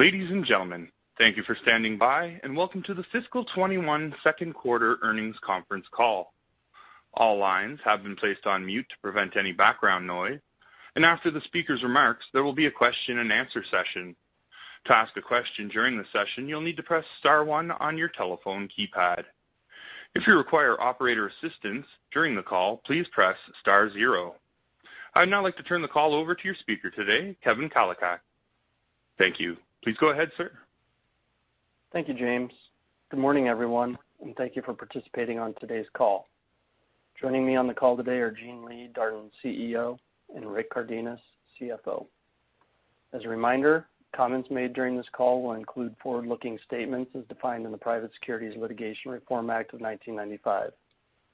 Ladies and gentlemen, thank you for standing by, and welcome to the Fiscal 2021 Second Quarter Earnings Conference call. All lines have been placed on mute to prevent any background noise, and after the speaker's remarks, there will be a question-and-answer session. To ask a question during the session, you'll need to press star one on your telephone keypad. If you require operator assistance during the call, please press star zero. I'd now like to turn the call over to your speaker today, Kevin Kalicak. Thank you. Please go ahead, sir. Thank you, James. Good morning, everyone, and thank you for participating on today's call. Joining me on the call today are Gene Lee, Darden CEO, and Rick Cardenas, CFO. As a reminder, comments made during this call will include forward-looking statements as defined in the Private Securities Litigation Reform Act of 1995.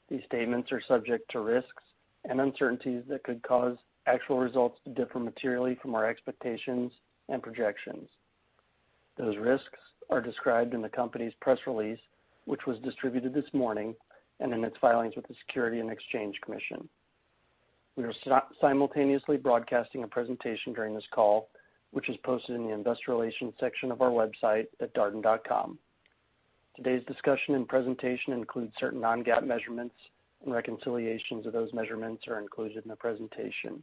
These statements are subject to risks and uncertainties that could cause actual results to differ materially from our expectations and projections. Those risks are described in the company's press release, which was distributed this morning, and in its filings with the Securities and Exchange Commission. We are simultaneously broadcasting a presentation during this call, which is posted in the investor relations section of our website at darden.com. Today's discussion and presentation includes certain non-GAAP measurements, and reconciliations of those measurements are included in the presentation.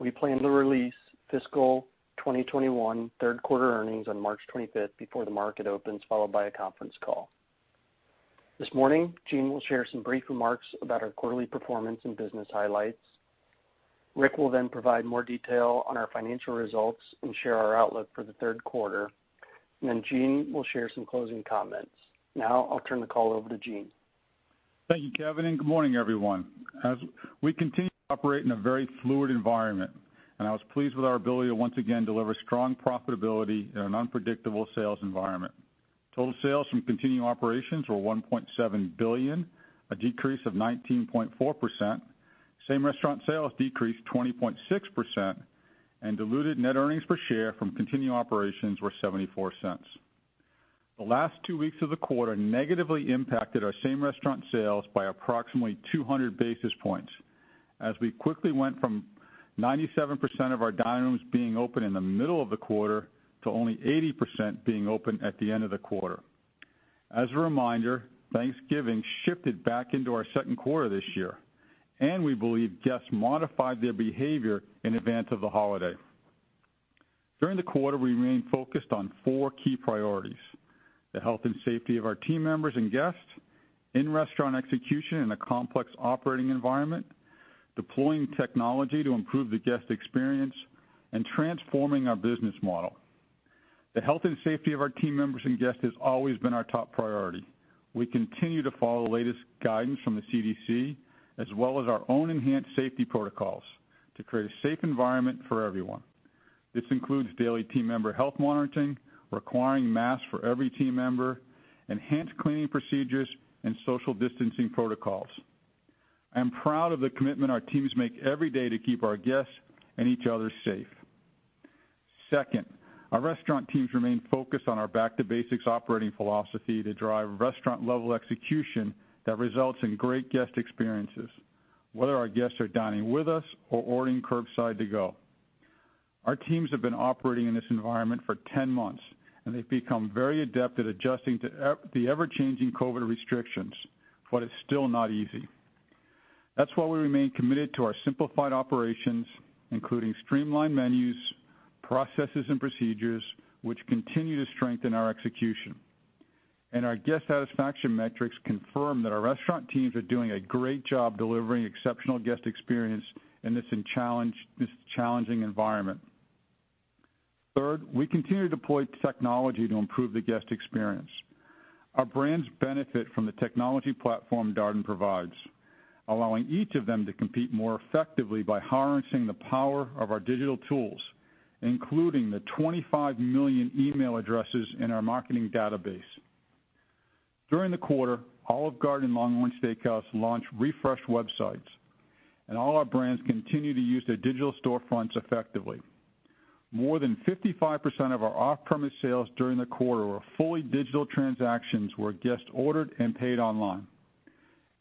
We plan to release Fiscal 2021 third quarter earnings on March 25 before the market opens, followed by a conference call. This morning, Gene will share some brief remarks about our quarterly performance and business highlights. Rick will then provide more detail on our financial results and share our outlook for the third quarter. Gene will share some closing comments. Now, I'll turn the call over to Gene. Thank you, Kevin, and good morning, everyone. As we continue to operate in a very fluid environment, I was pleased with our ability to once again deliver strong profitability in an unpredictable sales environment. Total sales from continuing operations were $1.7 billion, a decrease of 19.4%. Same restaurant sales decreased 20.6%, and diluted net earnings per share from continuing operations were $0.74. The last two weeks of the quarter negatively impacted our same restaurant sales by approximately 200 basis points, as we quickly went from 97% of our dining rooms being open in the middle of the quarter to only 80% being open at the end of the quarter. As a reminder, Thanksgiving shifted back into our second quarter this year, and we believe guests modified their behavior in advance of the holiday. During the quarter, we remained focused on four key priorities: the health and safety of our team members and guests, in-restaurant execution in a complex operating environment, deploying technology to improve the guest experience, and transforming our business model. The health and safety of our team members and guests has always been our top priority. We continue to follow the latest guidance from the CDC, as well as our own enhanced safety protocols to create a safe environment for everyone. This includes daily team member health monitoring, requiring masks for every team member, enhanced cleaning procedures, and social distancing protocols. I am proud of the commitment our teams make every day to keep our guests and each other safe. Second, our restaurant teams remain focused on our back-to-basics operating philosophy to drive restaurant-level execution that results in great guest experiences, whether our guests are dining with us or ordering curbside to go. Our teams have been operating in this environment for 10 months, and they've become very adept at adjusting to the ever-changing COVID restrictions, but it's still not easy. That is why we remain committed to our simplified operations, including streamlined menus, processes, and procedures, which continue to strengthen our execution. Our guest satisfaction metrics confirm that our restaurant teams are doing a great job delivering exceptional guest experience in this challenging environment. Third, we continue to deploy technology to improve the guest experience. Our brands benefit from the technology platform Darden provides, allowing each of them to compete more effectively by harnessing the power of our digital tools, including the 25 million email addresses in our marketing database. During the quarter, Olive Garden and LongHorn Steakhouse launched refreshed websites, and all our brands continue to use their digital storefronts effectively. More than 55% of our off-premise sales during the quarter were fully digital transactions where guests ordered and paid online.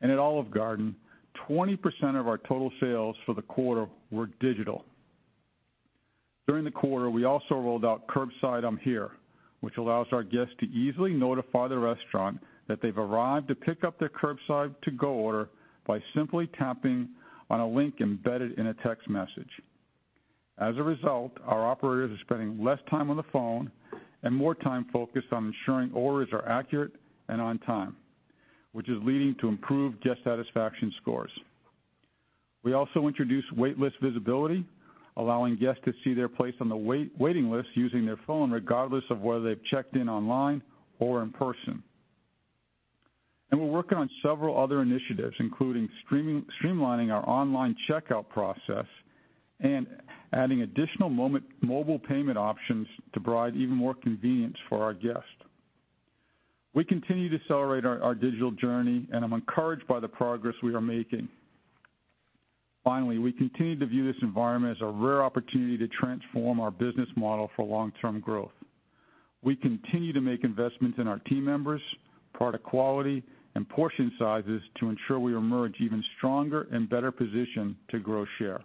At Olive Garden, 20% of our total sales for the quarter were digital. During the quarter, we also rolled out Curbside I'm Here, which allows our guests to easily notify the restaurant that they've arrived to pick up their curbside to-go order by simply tapping on a link embedded in a text message. As a result, our operators are spending less time on the phone and more time focused on ensuring orders are accurate and on time, which is leading to improved guest satisfaction scores. We also introduced waitlist visibility, allowing guests to see their place on the waiting list using their phone regardless of whether they've checked in online or in person. We are working on several other initiatives, including streamlining our online checkout process and adding additional mobile payment options to provide even more convenience for our guests. We continue to celebrate our digital journey, and I'm encouraged by the progress we are making. Finally, we continue to view this environment as a rare opportunity to transform our business model for long-term growth. We continue to make investments in our team members, product quality, and portion sizes to ensure we emerge even stronger and better positioned to grow share.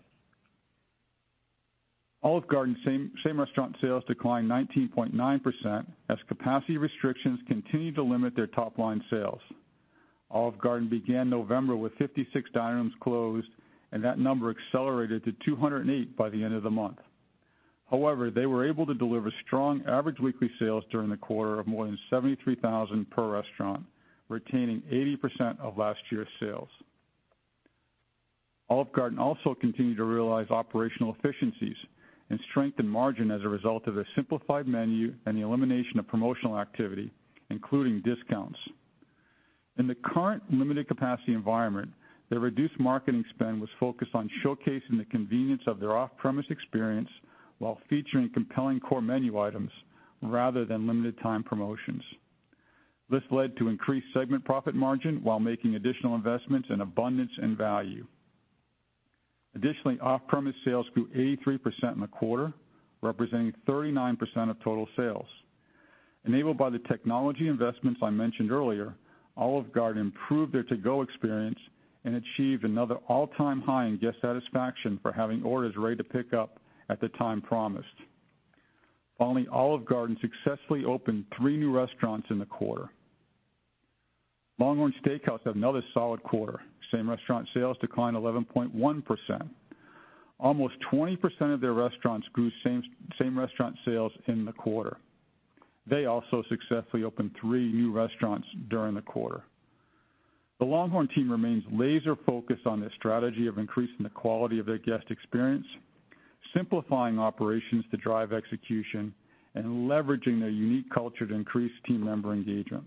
Olive Garden's same-restaurant sales declined 19.9% as capacity restrictions continue to limit their top-line sales. Olive Garden began November with 56 dining rooms closed, and that number accelerated to 208 by the end of the month. However, they were able to deliver strong average weekly sales during the quarter of more than $73,000 per restaurant, retaining 80% of last year's sales. Olive Garden also continued to realize operational efficiencies and strengthened margin as a result of their simplified menu and the elimination of promotional activity, including discounts. In the current limited capacity environment, their reduced marketing spend was focused on showcasing the convenience of their off-premise experience while featuring compelling core menu items rather than limited-time promotions. This led to increased segment profit margin while making additional investments in abundance and value. Additionally, off-premise sales grew 83% in the quarter, representing 39% of total sales. Enabled by the technology investments I mentioned earlier, Olive Garden improved their to-go experience and achieved another all-time high in guest satisfaction for having orders ready to pick up at the time promised. Finally, Olive Garden successfully opened three new restaurants in the quarter. LongHorn Steakhouse had another solid quarter. Same restaurant sales declined 11.1%. Almost 20% of their restaurants grew same restaurant sales in the quarter. They also successfully opened three new restaurants during the quarter. The LongHorn team remains laser-focused on their strategy of increasing the quality of their guest experience, simplifying operations to drive execution, and leveraging their unique culture to increase team member engagement.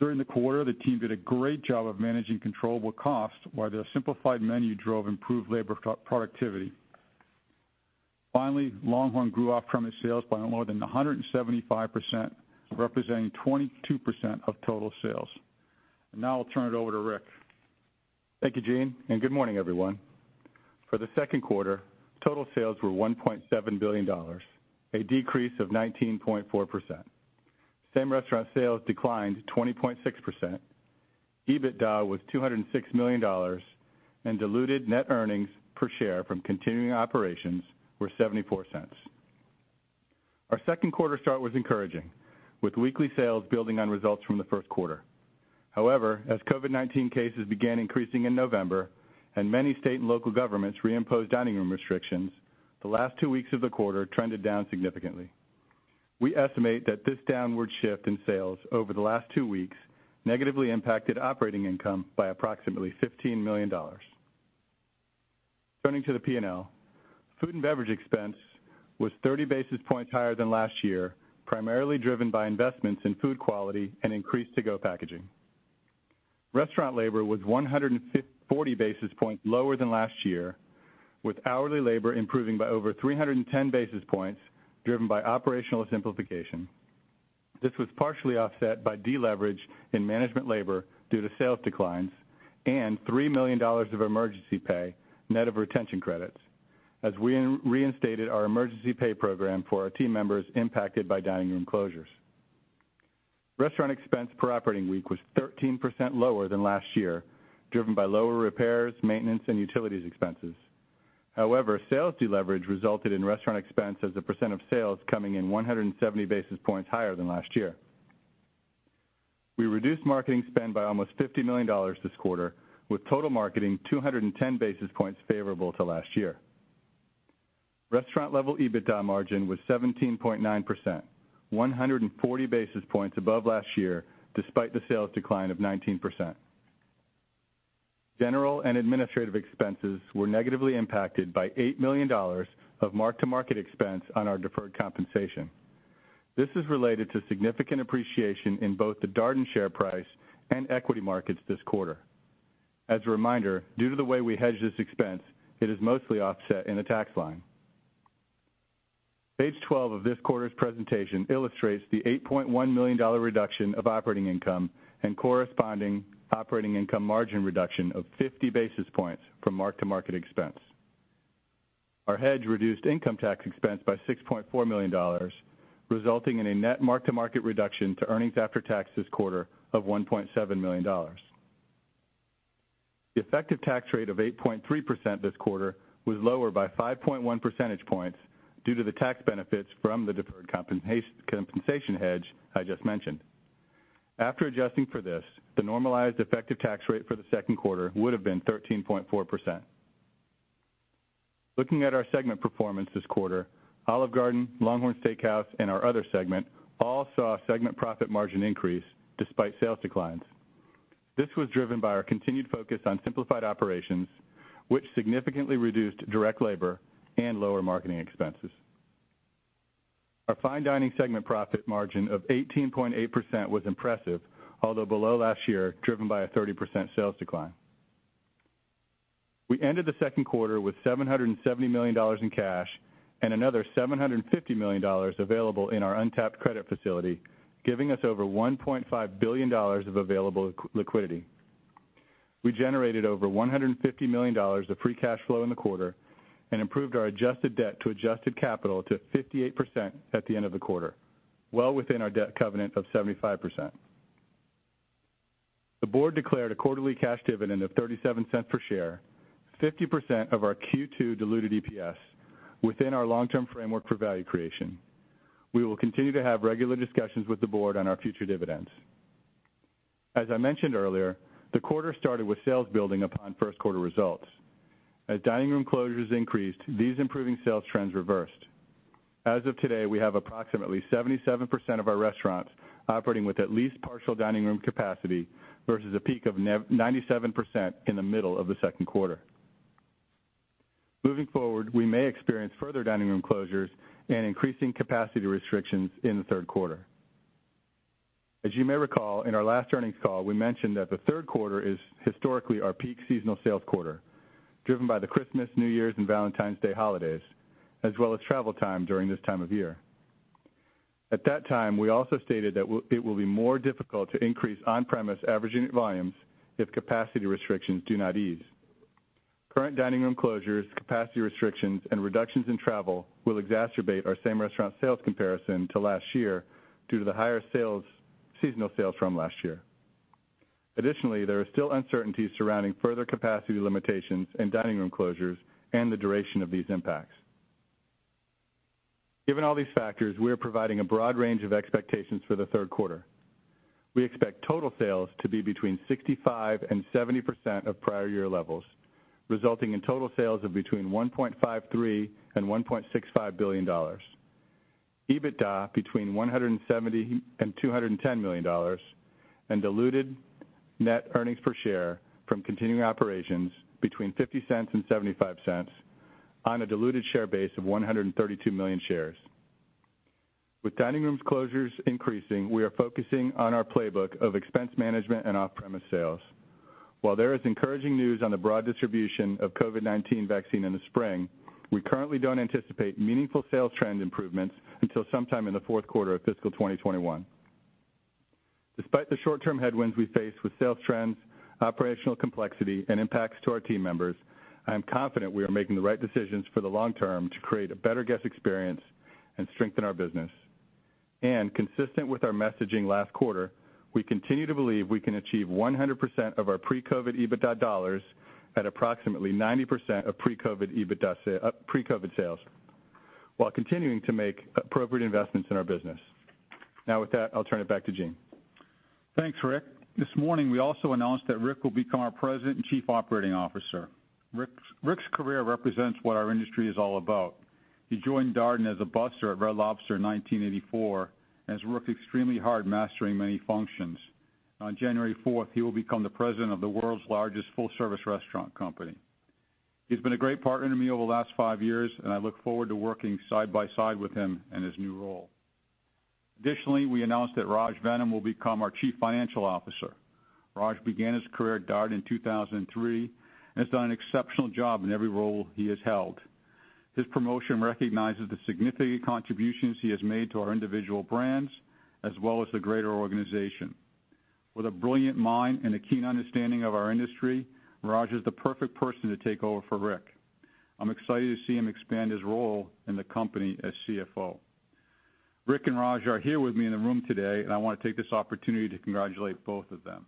During the quarter, the team did a great job of managing controllable costs, while their simplified menu drove improved labor productivity. Finally, LongHorn grew off-premise sales by more than 175%, representing 22% of total sales. I'll turn it over to Rick. Thank you, Gene, and good morning, everyone. For the second quarter, total sales were $1.7 billion, a decrease of 19.4%. Same restaurant sales declined 20.6%. EBITDA was $206 million, and diluted net earnings per share from continuing operations were $0.74. Our second quarter start was encouraging, with weekly sales building on results from the first quarter. However, as COVID-19 cases began increasing in November and many state and local governments reimposed dining room restrictions, the last two weeks of the quarter trended down significantly. We estimate that this downward shift in sales over the last two weeks negatively impacted operating income by approximately $15 million. Turning to the P&L, food and beverage expense was 30 basis points higher than last year, primarily driven by investments in food quality and increased to-go packaging. Restaurant labor was 140 basis points lower than last year, with hourly labor improving by over 310 basis points driven by operational simplification. This was partially offset by deleverage in management labor due to sales declines and $3 million of emergency pay net of retention credits, as we reinstated our emergency pay program for our team members impacted by dining room closures. Restaurant expense per operating week was 13% lower than last year, driven by lower repairs, maintenance, and utilities expenses. However, sales deleverage resulted in restaurant expense as a percent of sales coming in 170 basis points higher than last year. We reduced marketing spend by almost $50 million this quarter, with total marketing 210 basis points favorable to last year. Restaurant-level EBITDA margin was 17.9%, 140 basis points above last year despite the sales decline of 19%. General and administrative expenses were negatively impacted by $8 million of mark-to-market expense on our deferred compensation. This is related to significant appreciation in both the Darden share price and equity markets this quarter. As a reminder, due to the way we hedge this expense, it is mostly offset in the tax line. Page 12 of this quarter's presentation illustrates the $8.1 million reduction of operating income and corresponding operating income margin reduction of 50 basis points from mark-to-market expense. Our hedge reduced income tax expense by $6.4 million, resulting in a net mark-to-market reduction to earnings after tax this quarter of $1.7 million. The effective tax rate of 8.3% this quarter was lower by 5.1 percentage points due to the tax benefits from the deferred compensation hedge I just mentioned. After adjusting for this, the normalized effective tax rate for the second quarter would have been 13.4%. Looking at our segment performance this quarter, Olive Garden, LongHorn Steakhouse, and our other segment all saw a segment profit margin increase despite sales declines. This was driven by our continued focus on simplified operations, which significantly reduced direct labor and lower marketing expenses. Our fine dining segment profit margin of 18.8% was impressive, although below last year, driven by a 30% sales decline. We ended the second quarter with $770 million in cash and another $750 million available in our untapped credit facility, giving us over $1.5 billion of available liquidity. We generated over $150 million of free cash flow in the quarter and improved our adjusted debt to adjusted capital to 58% at the end of the quarter, well within our debt covenant of 75%. The board declared a quarterly cash dividend of $0.37 per share, 50% of our Q2 diluted EPS, within our long-term framework for value creation. We will continue to have regular discussions with the board on our future dividends. As I mentioned earlier, the quarter started with sales building upon first quarter results. As dining room closures increased, these improving sales trends reversed. As of today, we have approximately 77% of our restaurants operating with at least partial dining room capacity versus a peak of 97% in the middle of the second quarter. Moving forward, we may experience further dining room closures and increasing capacity restrictions in the third quarter. As you may recall, in our last earnings call, we mentioned that the third quarter is historically our peak seasonal sales quarter, driven by the Christmas, New Year's, and Valentine's Day holidays, as well as travel time during this time of year. At that time, we also stated that it will be more difficult to increase on-premise averaging volumes if capacity restrictions do not ease. Current dining room closures, capacity restrictions, and reductions in travel will exacerbate our same-restaurant sales comparison to last year due to the higher seasonal sales from last year. Additionally, there are still uncertainties surrounding further capacity limitations and dining room closures and the duration of these impacts. Given all these factors, we are providing a broad range of expectations for the third quarter. We expect total sales to be between 65% and 70% of prior year levels, resulting in total sales of between $1.53 billion and $1.65 billion, EBITDA between $170 million and $210 million, and diluted net earnings per share from continuing operations between $0.50 and $0.75 on a diluted share base of 132 million shares. With dining rooms closures increasing, we are focusing on our playbook of expense management and off-premise sales. While there is encouraging news on the broad distribution of COVID-19 vaccine in the spring, we currently do not anticipate meaningful sales trend improvements until sometime in the fourth quarter of fiscal 2021. Despite the short-term headwinds we faced with sales trends, operational complexity, and impacts to our team members, I am confident we are making the right decisions for the long term to create a better guest experience and strengthen our business. Consistent with our messaging last quarter, we continue to believe we can achieve 100% of our pre-COVID EBITDA dollars at approximately 90% of pre-COVID sales, while continuing to make appropriate investments in our business. Now, with that, I'll turn it back to Gene. Thanks, Rick. This morning, we also announced that Rick will become our President and Chief Operating Officer. Rick's career represents what our industry is all about. He joined Darden as a busser at Red Lobster in 1984 and has worked extremely hard mastering many functions. On January 4th, he will become the President of the world's largest full-service restaurant company. He's been a great partner to me over the last five years, and I look forward to working side by side with him in his new role. Additionally, we announced that Raj Vennam will become our Chief Financial Officer. Raj began his career at Darden in 2003 and has done an exceptional job in every role he has held. His promotion recognizes the significant contributions he has made to our individual brands as well as the greater organization. With a brilliant mind and a keen understanding of our industry, Raj is the perfect person to take over for Rick. I'm excited to see him expand his role in the company as CFO. Rick and Raj are here with me in the room today, and I want to take this opportunity to congratulate both of them.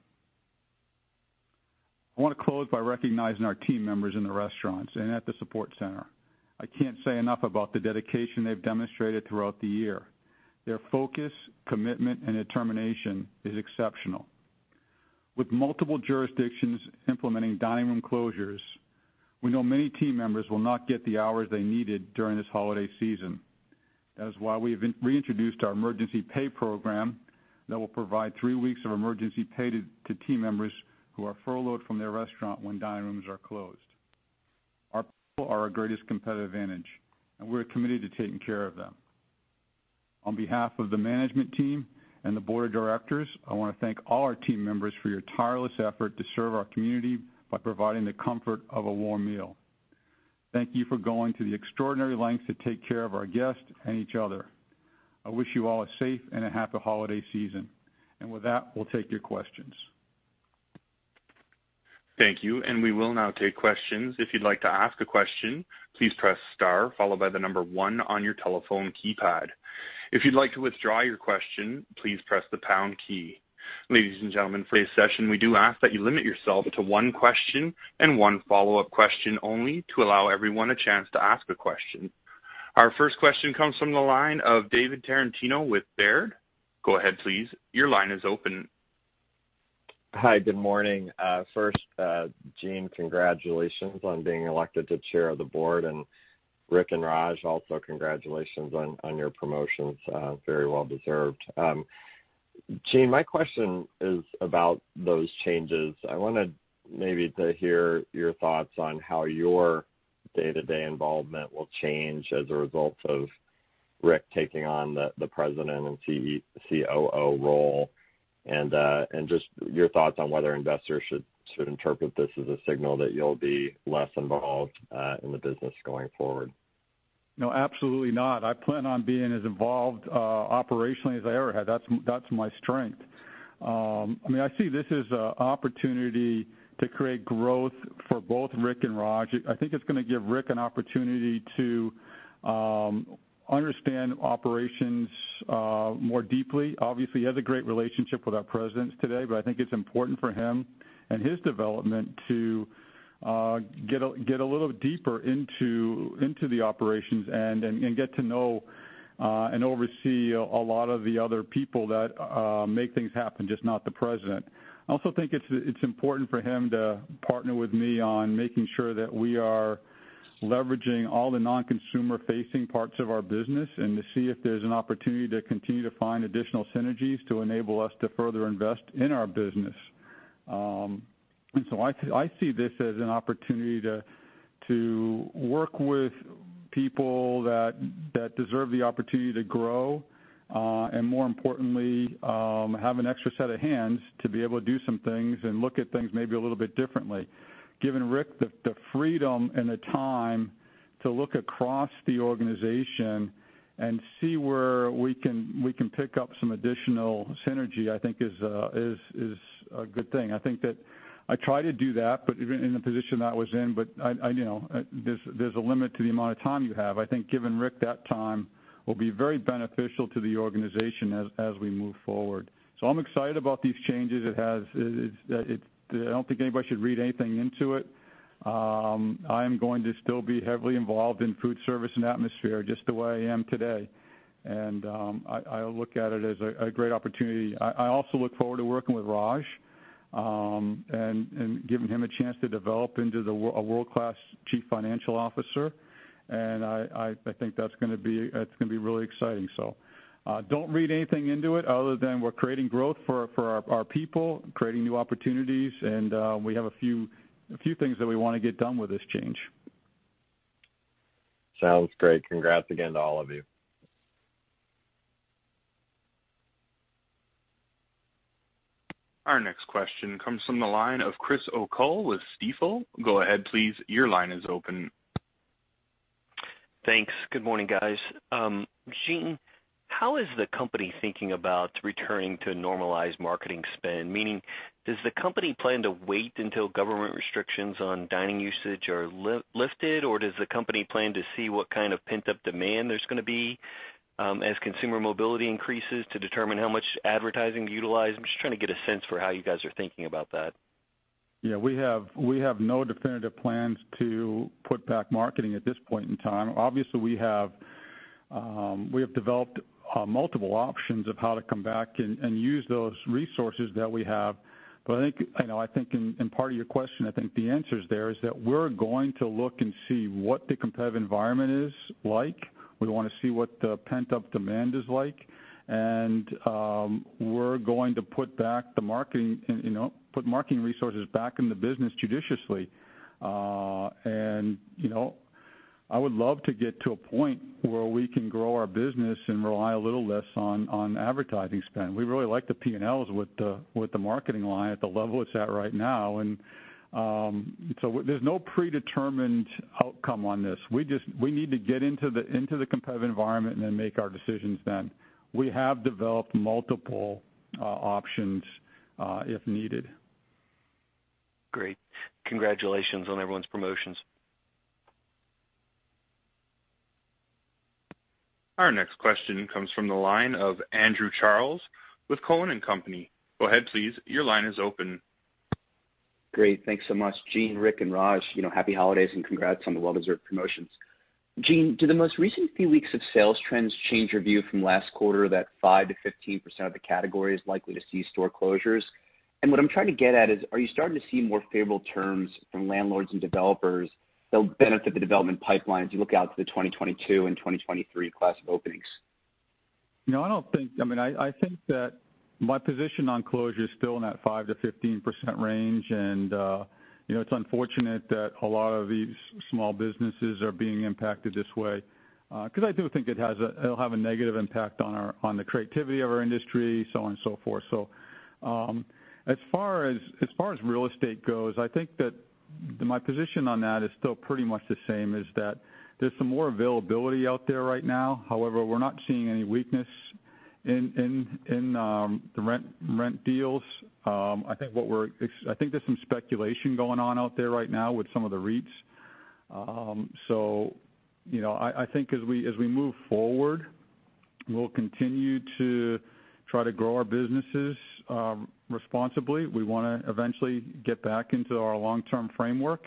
I want to close by recognizing our team members in the restaurants and at the support center. I can't say enough about the dedication they've demonstrated throughout the year. Their focus, commitment, and determination are exceptional. With multiple jurisdictions implementing dining room closures, we know many team members will not get the hours they needed during this holiday season. That is why we have reintroduced our emergency pay program that will provide three weeks of emergency pay to team members who are furloughed from their restaurant when dining rooms are closed. Our people are our greatest competitive advantage, and we're committed to taking care of them. On behalf of the management team and the board of directors, I want to thank all our team members for your tireless effort to serve our community by providing the comfort of a warm meal. Thank you for going to the extraordinary lengths to take care of our guests and each other. I wish you all a safe and a happy holiday season. With that, we'll take your questions. Thank you. We will now take questions. If you'd like to ask a question, please press star, followed by the number one on your telephone keypad. If you'd like to withdraw your question, please press the pound key. Ladies and gentlemen, for today's session, we do ask that you limit yourself to one question and one follow-up question only to allow everyone a chance to ask a question. Our first question comes from the line of David Tarantino with Baird. Go ahead, please. Your line is open. Hi, good morning. First, Gene, congratulations on being elected to Chair of the Board. Rick and Raj, also congratulations on your promotions. Very well-deserved. Gene, my question is about those changes. I wanted maybe to hear your thoughts on how your day-to-day involvement will change as a result of Rick taking on the President and COO role and just your thoughts on whether investors should interpret this as a signal that you'll be less involved in the business going forward. No, absolutely not. I plan on being as involved operationally as I ever have. That's my strength. I mean, I see this as an opportunity to create growth for both Rick and Raj. I think it's going to give Rick an opportunity to understand operations more deeply. Obviously, he has a great relationship with our presidents today, but I think it's important for him and his development to get a little deeper into the operations and get to know and oversee a lot of the other people that make things happen, just not the president. I also think it's important for him to partner with me on making sure that we are leveraging all the non-consumer-facing parts of our business and to see if there's an opportunity to continue to find additional synergies to enable us to further invest in our business. I see this as an opportunity to work with people that deserve the opportunity to grow and, more importantly, have an extra set of hands to be able to do some things and look at things maybe a little bit differently. Giving Rick the freedom and the time to look across the organization and see where we can pick up some additional synergy, I think is a good thing. I think that I tried to do that in the position that I was in, but there's a limit to the amount of time you have. I think giving Rick that time will be very beneficial to the organization as we move forward. I'm excited about these changes. I don't think anybody should read anything into it. I am going to still be heavily involved in food service and atmosphere just the way I am today. I look at it as a great opportunity. I also look forward to working with Raj and giving him a chance to develop into a world-class chief financial officer. I think that's going to be really exciting. Do not read anything into it other than we're creating growth for our people, creating new opportunities, and we have a few things that we want to get done with this change. Sounds great. Congrats again to all of you. Our next question comes from the line of Chris O'Cull with Stifel. Go ahead, please. Your line is open. Thanks. Good morning, guys. Gene, how is the company thinking about returning to normalized marketing spend? Meaning, does the company plan to wait until government restrictions on dining usage are lifted, or does the company plan to see what kind of pent-up demand there's going to be as consumer mobility increases to determine how much advertising to utilize? I'm just trying to get a sense for how you guys are thinking about that. Yeah, we have no definitive plans to put back marketing at this point in time. Obviously, we have developed multiple options of how to come back and use those resources that we have. I think in part of your question, I think the answer is there is that we're going to look and see what the competitive environment is like. We want to see what the pent-up demand is like. We're going to put back the marketing resources back in the business judiciously. I would love to get to a point where we can grow our business and rely a little less on advertising spend. We really like the P&Ls with the marketing line at the level it's at right now. There's no predetermined outcome on this. We need to get into the competitive environment and then make our decisions then. We have developed multiple options if needed. Great. Congratulations on everyone's promotions. Our next question comes from the line of Andrew Charles with Cowen and Company. Go ahead, please. Your line is open. Great. Thanks so much. Gene, Rick, and Raj, happy holidays and congrats on the well-deserved promotions. Gene, do the most recent few weeks of sales trends change your view from last quarter that 5-15% of the category is likely to see store closures? What I'm trying to get at is, are you starting to see more favorable terms from landlords and developers that will benefit the development pipeline as you look out to the 2022 and 2023 class of openings? No, I don't think. I mean, I think that my position on closure is still in that 5-15% range. And it's unfortunate that a lot of these small businesses are being impacted this way because I do think it'll have a negative impact on the creativity of our industry, so on and so forth. As far as real estate goes, I think that my position on that is still pretty much the same as that there's some more availability out there right now. However, we're not seeing any weakness in the rent deals. I think there's some speculation going on out there right now with some of the REITs. I think as we move forward, we'll continue to try to grow our businesses responsibly. We want to eventually get back into our long-term framework.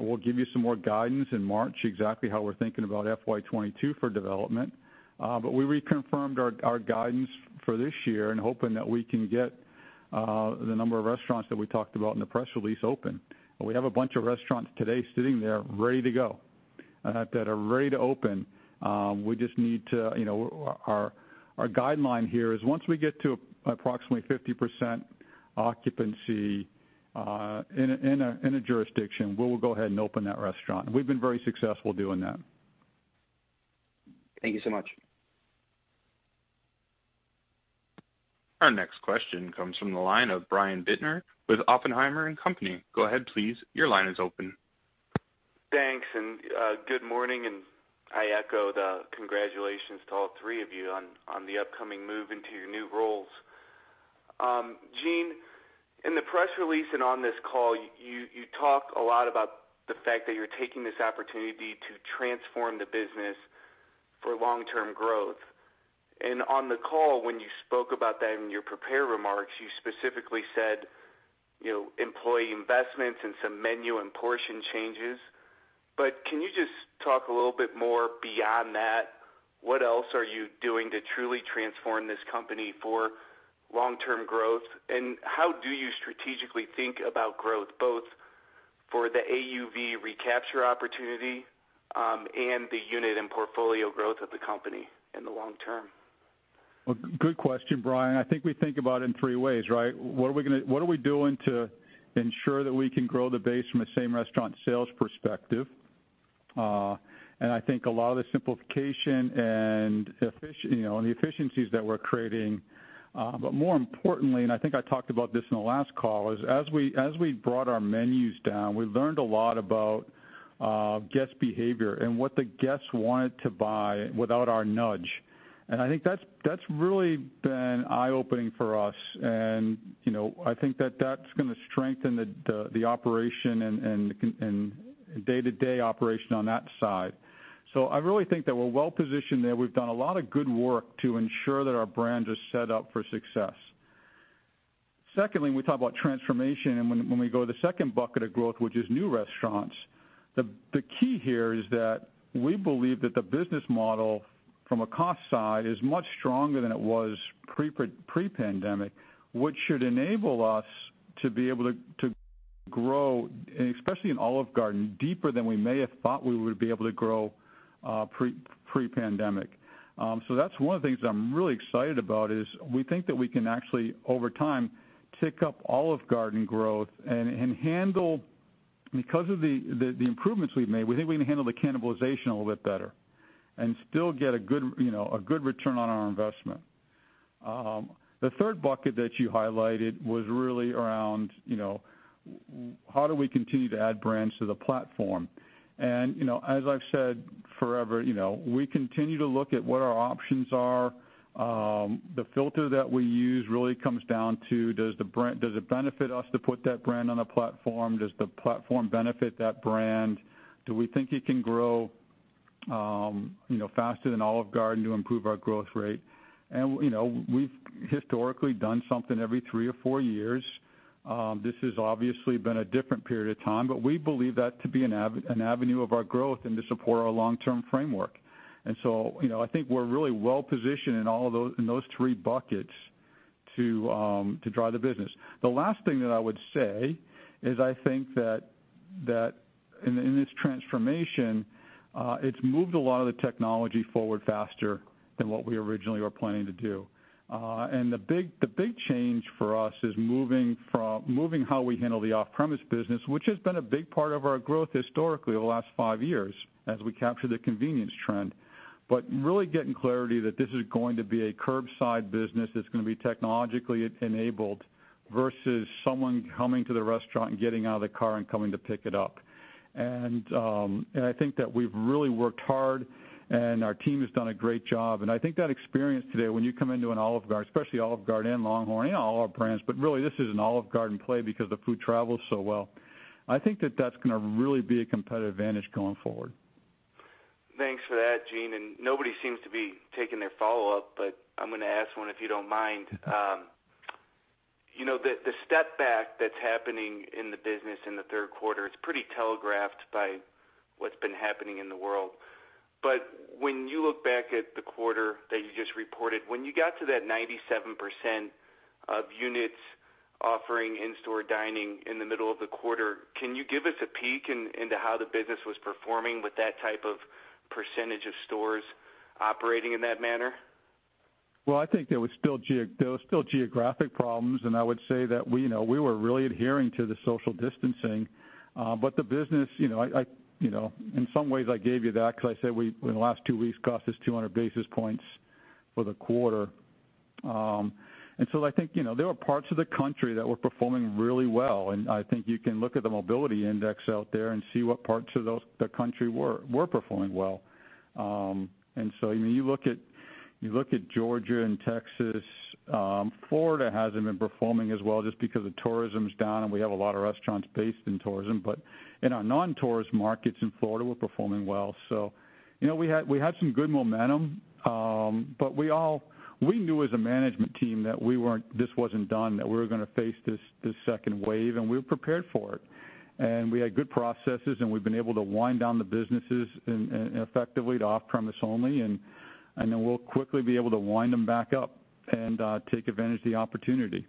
We'll give you some more guidance in March exactly how we're thinking about FY22 for development. We reconfirmed our guidance for this year and hoping that we can get the number of restaurants that we talked about in the press release open. We have a bunch of restaurants today sitting there ready to go, that are ready to open. Our guideline here is once we get to approximately 50% occupancy in a jurisdiction, we will go ahead and open that restaurant. We've been very successful doing that. Thank you so much. Our next question comes from the line of Brian Bittner with Oppenheimer & Company. Go ahead, please. Your line is open. Thanks. Good morning. I echo the congratulations to all three of you on the upcoming move into your new roles. Gene, in the press release and on this call, you talked a lot about the fact that you're taking this opportunity to transform the business for long-term growth. On the call, when you spoke about that in your prepared remarks, you specifically said employee investments and some menu and portion changes. Can you just talk a little bit more beyond that? What else are you doing to truly transform this company for long-term growth? How do you strategically think about growth, both for the AUV recapture opportunity and the unit and portfolio growth of the company in the long term? Good question, Brian. I think we think about it in three ways, right? What are we doing to ensure that we can grow the base from the same restaurant sales perspective? I think a lot of the simplification and the efficiencies that we're creating, but more importantly, and I think I talked about this in the last call, is as we brought our menus down, we learned a lot about guest behavior and what the guests wanted to buy without our nudge. I think that's really been eye-opening for us. I think that that's going to strengthen the operation and day-to-day operation on that side. I really think that we're well-positioned there. We've done a lot of good work to ensure that our brand is set up for success. Secondly, when we talk about transformation and when we go to the second bucket of growth, which is new restaurants, the key here is that we believe that the business model from a cost side is much stronger than it was pre-pandemic, which should enable us to be able to grow, especially in Olive Garden, deeper than we may have thought we would be able to grow pre-pandemic. That is one of the things that I'm really excited about is we think that we can actually, over time, tick up Olive Garden growth and handle, because of the improvements we've made, we think we can handle the cannibalization a little bit better and still get a good return on our investment. The third bucket that you highlighted was really around how do we continue to add brands to the platform? As I've said forever, we continue to look at what our options are. The filter that we use really comes down to, does it benefit us to put that brand on a platform? Does the platform benefit that brand? Do we think it can grow faster than Olive Garden to improve our growth rate? We've historically done something every three or four years. This has obviously been a different period of time, but we believe that to be an avenue of our growth and to support our long-term framework. I think we're really well-positioned in those three buckets to drive the business. The last thing that I would say is I think that in this transformation, it's moved a lot of the technology forward faster than what we originally were planning to do. The big change for us is moving how we handle the off-premise business, which has been a big part of our growth historically the last five years as we capture the convenience trend, but really getting clarity that this is going to be a curbside business that's going to be technologically enabled versus someone coming to the restaurant and getting out of the car and coming to pick it up. I think that we've really worked hard and our team has done a great job. I think that experience today, when you come into an Olive Garden, especially Olive Garden and LongHorn, and all our brands, but really this is an Olive Garden play because the food travels so well. I think that that's going to really be a competitive advantage going forward. Thanks for that, Gene. Nobody seems to be taking their follow-up, but I'm going to ask one, if you don't mind. The step back that's happening in the business in the third quarter, it's pretty telegraphed by what's been happening in the world. When you look back at the quarter that you just reported, when you got to that 97% of units offering in-store dining in the middle of the quarter, can you give us a peek into how the business was performing with that type of percentage of stores operating in that manner? I think there were still geographic problems, and I would say that we were really adhering to the social distancing. The business, in some ways, I gave you that because I said in the last two weeks, cost us 200 basis points for the quarter. I think there were parts of the country that were performing really well. I think you can look at the mobility index out there and see what parts of the country were performing well. You look at Georgia and Texas. Florida hasn't been performing as well just because the tourism's down and we have a lot of restaurants based in tourism. In our non-tourist markets in Florida, we're performing well. We had some good momentum, but we knew as a management team that this wasn't done, that we were going to face this second wave. We were prepared for it. We had good processes, and we have been able to wind down the businesses effectively to off-premise only. We will quickly be able to wind them back up and take advantage of the opportunity.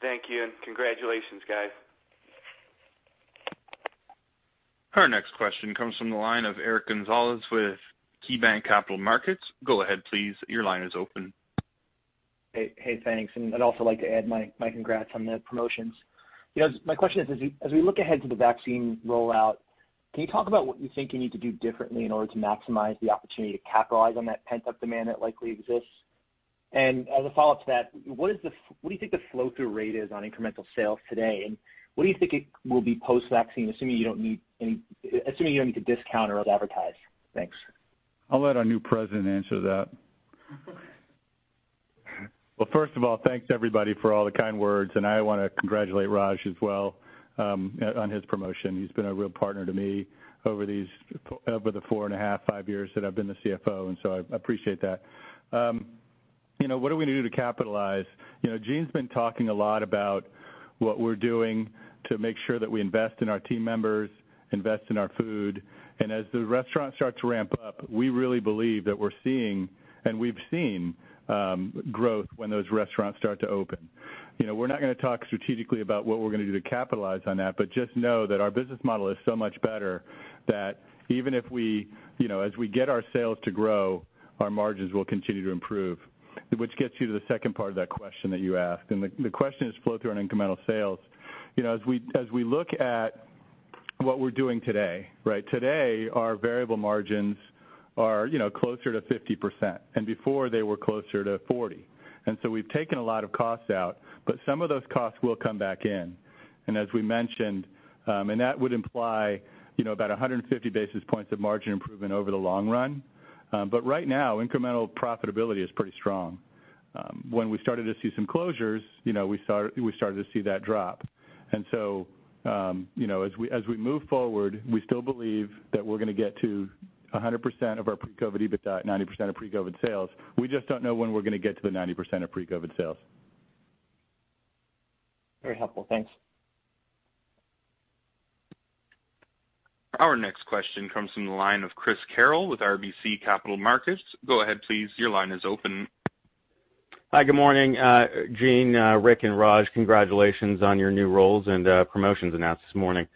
Thank you. Congratulations, guys. Our next question comes from the line of Eric Gonzalez with KeyBanc Capital Markets. Go ahead, please. Your line is open. Hey, thanks. I'd also like to add my congrats on the promotions. My question is, as we look ahead to the vaccine rollout, can you talk about what you think you need to do differently in order to maximize the opportunity to capitalize on that pent-up demand that likely exists? As a follow-up to that, what do you think the flow-through rate is on incremental sales today? What do you think it will be post-vaccine, assuming you don't need to discount or advertise? Thanks. I'll let our new President answer that. First of all, thanks, everybody, for all the kind words. I want to congratulate Raj as well on his promotion. He's been a real partner to me over the four and a half, five years that I've been the CFO. I appreciate that. What are we going to do to capitalize? Gene's been talking a lot about what we're doing to make sure that we invest in our team members, invest in our food. As the restaurants start to ramp up, we really believe that we're seeing, and we've seen, growth when those restaurants start to open. We're not going to talk strategically about what we're going to do to capitalize on that, but just know that our business model is so much better that even as we get our sales to grow, our margins will continue to improve. Which gets you to the second part of that question that you asked. The question is flow-through and incremental sales. As we look at what we're doing today, right, today, our variable margins are closer to 50%. Before, they were closer to 40%. We've taken a lot of costs out, but some of those costs will come back in. As we mentioned, that would imply about 150 basis points of margin improvement over the long run. Right now, incremental profitability is pretty strong. When we started to see some closures, we started to see that drop. As we move forward, we still believe that we're going to get to 100% of our pre-COVID EBITDA at 90% of pre-COVID sales. We just don't know when we're going to get to the 90% of pre-COVID sales. Very helpful. Thanks. Our next question comes from the line of Chris Carril with RBC Capital Markets. Go ahead, please. Your line is open. Hi, good morning. Gene, Rick, and Raj, congratulations on your new roles and promotions announced this morning.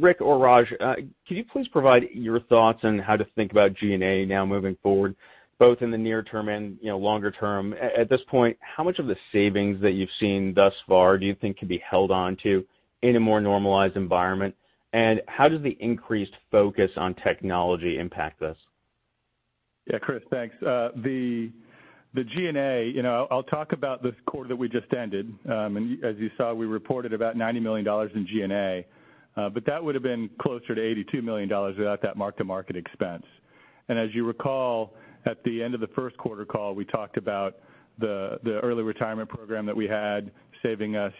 Rick or Raj, could you please provide your thoughts on how to think about G&A now moving forward, both in the near term and longer term? At this point, how much of the savings that you've seen thus far do you think can be held on to in a more normalized environment? How does the increased focus on technology impact this? Yeah, Chris, thanks. The G&A, I'll talk about this quarter that we just ended. As you saw, we reported about $90 million in G&A, but that would have been closer to $82 million without that mark-to-market expense. As you recall, at the end of the first quarter call, we talked about the early retirement program that we had saving us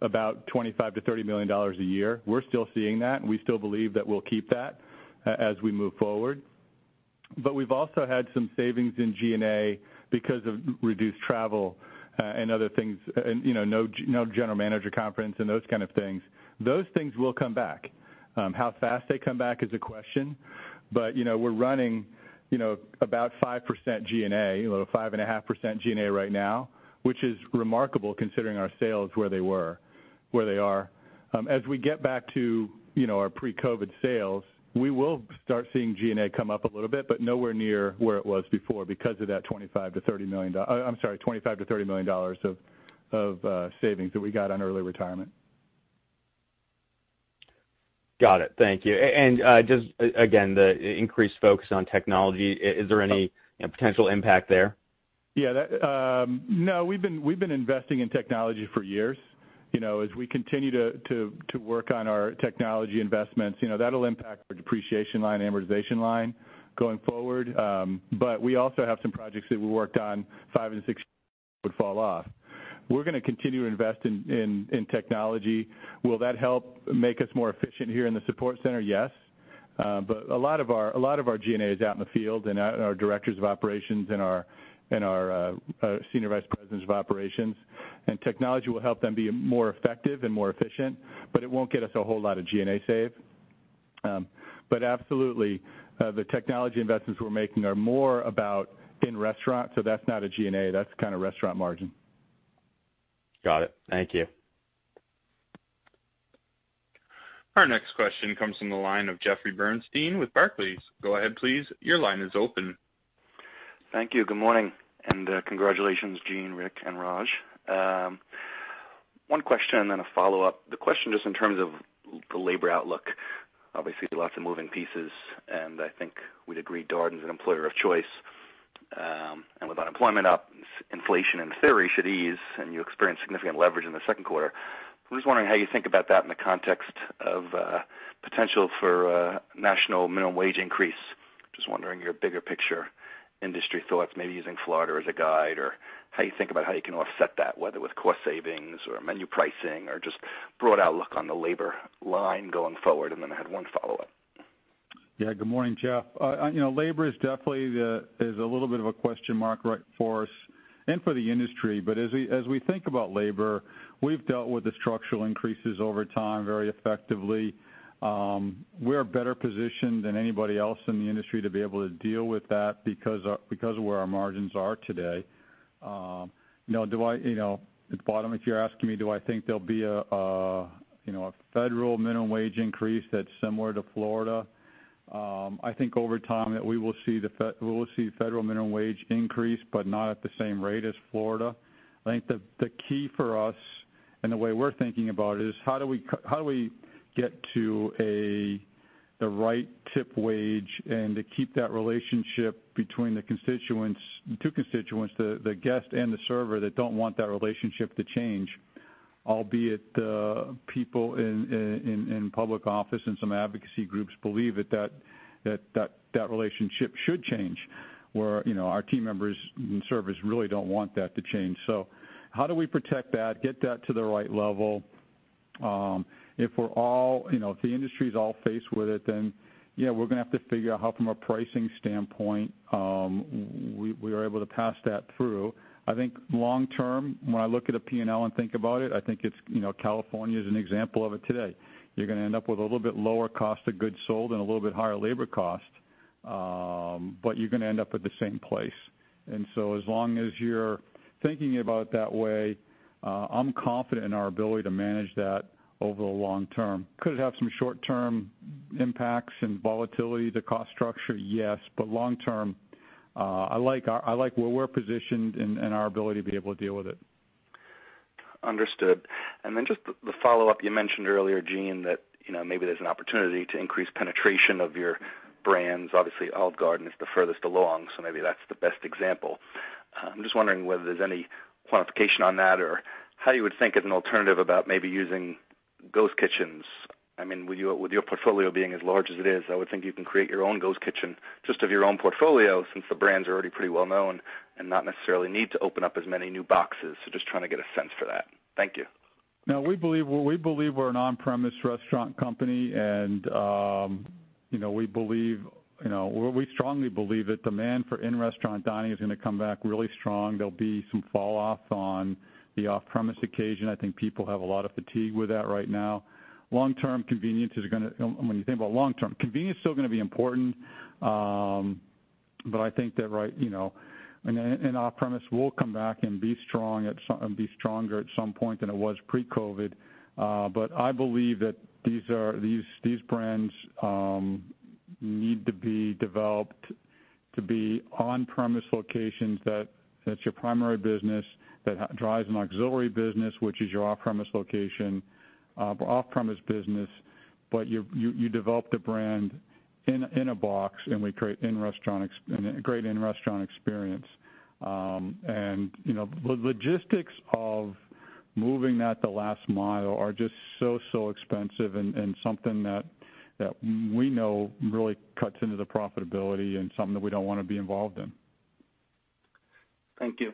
about $25-$30 million a year. We're still seeing that. We still believe that we'll keep that as we move forward. We've also had some savings in G&A because of reduced travel and other things, no general manager conference and those kind of things. Those things will come back. How fast they come back is a question. We're running about 5% G&A, about 5.5% G&A right now, which is remarkable considering our sales where they are. As we get back to our pre-COVID sales, we will start seeing G&A come up a little bit, but nowhere near where it was before because of that $25-$30 million, I'm sorry, $25-$30 million of savings that we got on early retirement. Got it. Thank you. Just again, the increased focus on technology, is there any potential impact there? Yeah. No, we've been investing in technology for years. As we continue to work on our technology investments, that'll impact our depreciation line, amortization line going forward. We also have some projects that we worked on five and six years ago that would fall off. We're going to continue to invest in technology. Will that help make us more efficient here in the support center? Yes. A lot of our G&A is out in the field and our directors of operations and our senior vice presidents of operations. Technology will help them be more effective and more efficient, but it won't get us a whole lot of G&A save. Absolutely, the technology investments we're making are more about in restaurants. That's not a G&A. That's kind of restaurant margin. Got it. Thank you. Our next question comes from the line of Jeffrey Bernstein with Barclays. Go ahead, please. Your line is open. Thank you. Good morning. And congratulations, Gene, Rick, and Raj. One question and then a follow-up. The question just in terms of the labor outlook. Obviously, lots of moving pieces. And I think we'd agree Darden's an employer of choice. And with unemployment up, inflation in theory should ease, and you experienced significant leverage in the second quarter. I'm just wondering how you think about that in the context of potential for national minimum wage increase. Just wondering your bigger picture industry thoughts, maybe using Florida as a guide, or how you think about how you can offset that, whether with cost savings or menu pricing or just broad outlook on the labor line going forward. And then I had one follow-up. Yeah, good morning, Jeff. Labor is definitely a little bit of a question mark for us and for the industry. As we think about labor, we've dealt with the structural increases over time very effectively. We're better positioned than anybody else in the industry to be able to deal with that because of where our margins are today. Now, at the bottom, if you're asking me, do I think there'll be a federal minimum wage increase that's similar to Florida? I think over time that we will see the federal minimum wage increase, but not at the same rate as Florida. I think the key for us and the way we're thinking about it is how do we get to the right tip wage and to keep that relationship between the two constituents, the guest and the server, that do not want that relationship to change, albeit the people in public office and some advocacy groups believe that that relationship should change, where our team members and servers really do not want that to change. So how do we protect that, get that to the right level? If the industry's all faced with it, then we're going to have to figure out how, from a pricing standpoint, we are able to pass that through. I think long term, when I look at a P&L and think about it, I think California is an example of it today. You're going to end up with a little bit lower cost of goods sold and a little bit higher labor cost, but you're going to end up at the same place. As long as you're thinking about it that way, I'm confident in our ability to manage that over the long term. Could it have some short-term impacts and volatility to cost structure? Yes. Long term, I like where we're positioned and our ability to be able to deal with it. Understood. Just the follow-up, you mentioned earlier, Gene, that maybe there's an opportunity to increase penetration of your brands. Obviously, Olive Garden is the furthest along, so maybe that's the best example. I'm just wondering whether there's any quantification on that or how you would think of an alternative about maybe using ghost Kitchens. I mean, with your portfolio being as large as it is, I would think you can create your own ghost Kitchen just of your own portfolio since the brands are already pretty well known and not necessarily need to open up as many new boxes. Just trying to get a sense for that. Thank you. Now, we believe we're an on-premise restaurant company, and we strongly believe that demand for in-restaurant dining is going to come back really strong. There'll be some falloff on the off-premise occasion. I think people have a lot of fatigue with that right now. Long-term, convenience is going to, when you think about long-term, convenience is still going to be important. I think that, right, and off-premise will come back and be stronger at some point than it was pre-COVID. I believe that these brands need to be developed to be on-premise locations, that it's your primary business, that drives an auxiliary business, which is your off-premise location, off-premise business. You develop the brand in a box, and we create a great in-restaurant experience. The logistics of moving that the last mile are just so, so expensive and something that we know really cuts into the profitability and something that we do not want to be involved in. Thank you.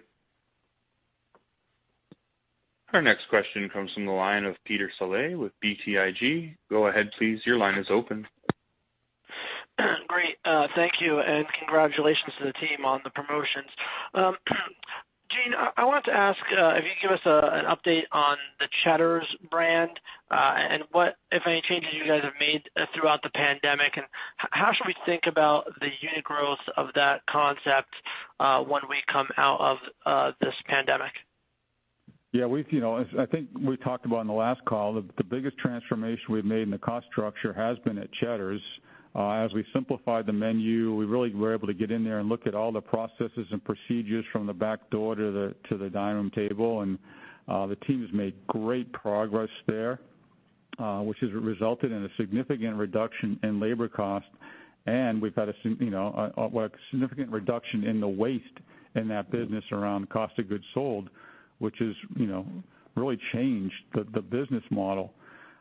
Our next question comes from the line of Peter Saleh with BTIG. Go ahead, please. Your line is open. Great. Thank you. Congratulations to the team on the promotions. Gene, I wanted to ask if you'd give us an update on the Cheddar's brand and what, if any, changes you guys have made throughout the pandemic. How should we think about the unit growth of that concept when we come out of this pandemic? Yeah. I think we talked about in the last call that the biggest transformation we've made in the cost structure has been at Cheddar's. As we simplified the menu, we really were able to get in there and look at all the processes and procedures from the back door to the dining room table. The team has made great progress there, which has resulted in a significant reduction in labor cost. We've had a significant reduction in the waste in that business around cost of goods sold, which has really changed the business model.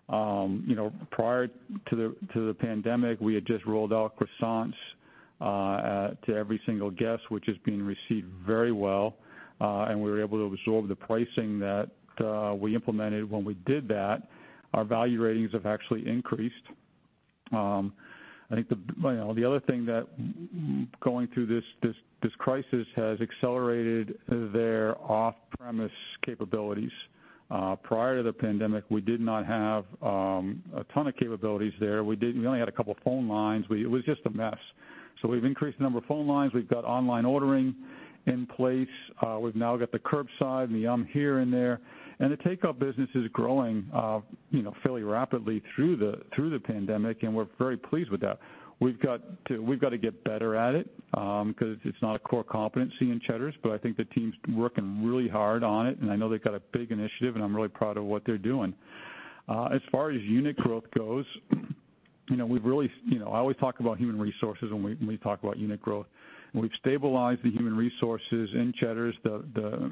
Prior to the pandemic, we had just rolled out croissants to every single guest, which has been received very well. We were able to absorb the pricing that we implemented when we did that. Our value ratings have actually increased. I think the other thing that going through this crisis has accelerated their off-premise capabilities. Prior to the pandemic, we did not have a ton of capabilities there. We only had a couple of phone lines. It was just a mess. We have increased the number of phone lines. We have got online ordering in place. We have now got the curbside and the here and there. The takeout business is growing fairly rapidly through the pandemic, and we are very pleased with that. We have got to get better at it because it is not a core competency in Cheddar's, but I think the team's working really hard on it. I know they have got a big initiative, and I am really proud of what they are doing. As far as unit growth goes, I always talk about human resources when we talk about unit growth. We have stabilized the human resources in Cheddar's. The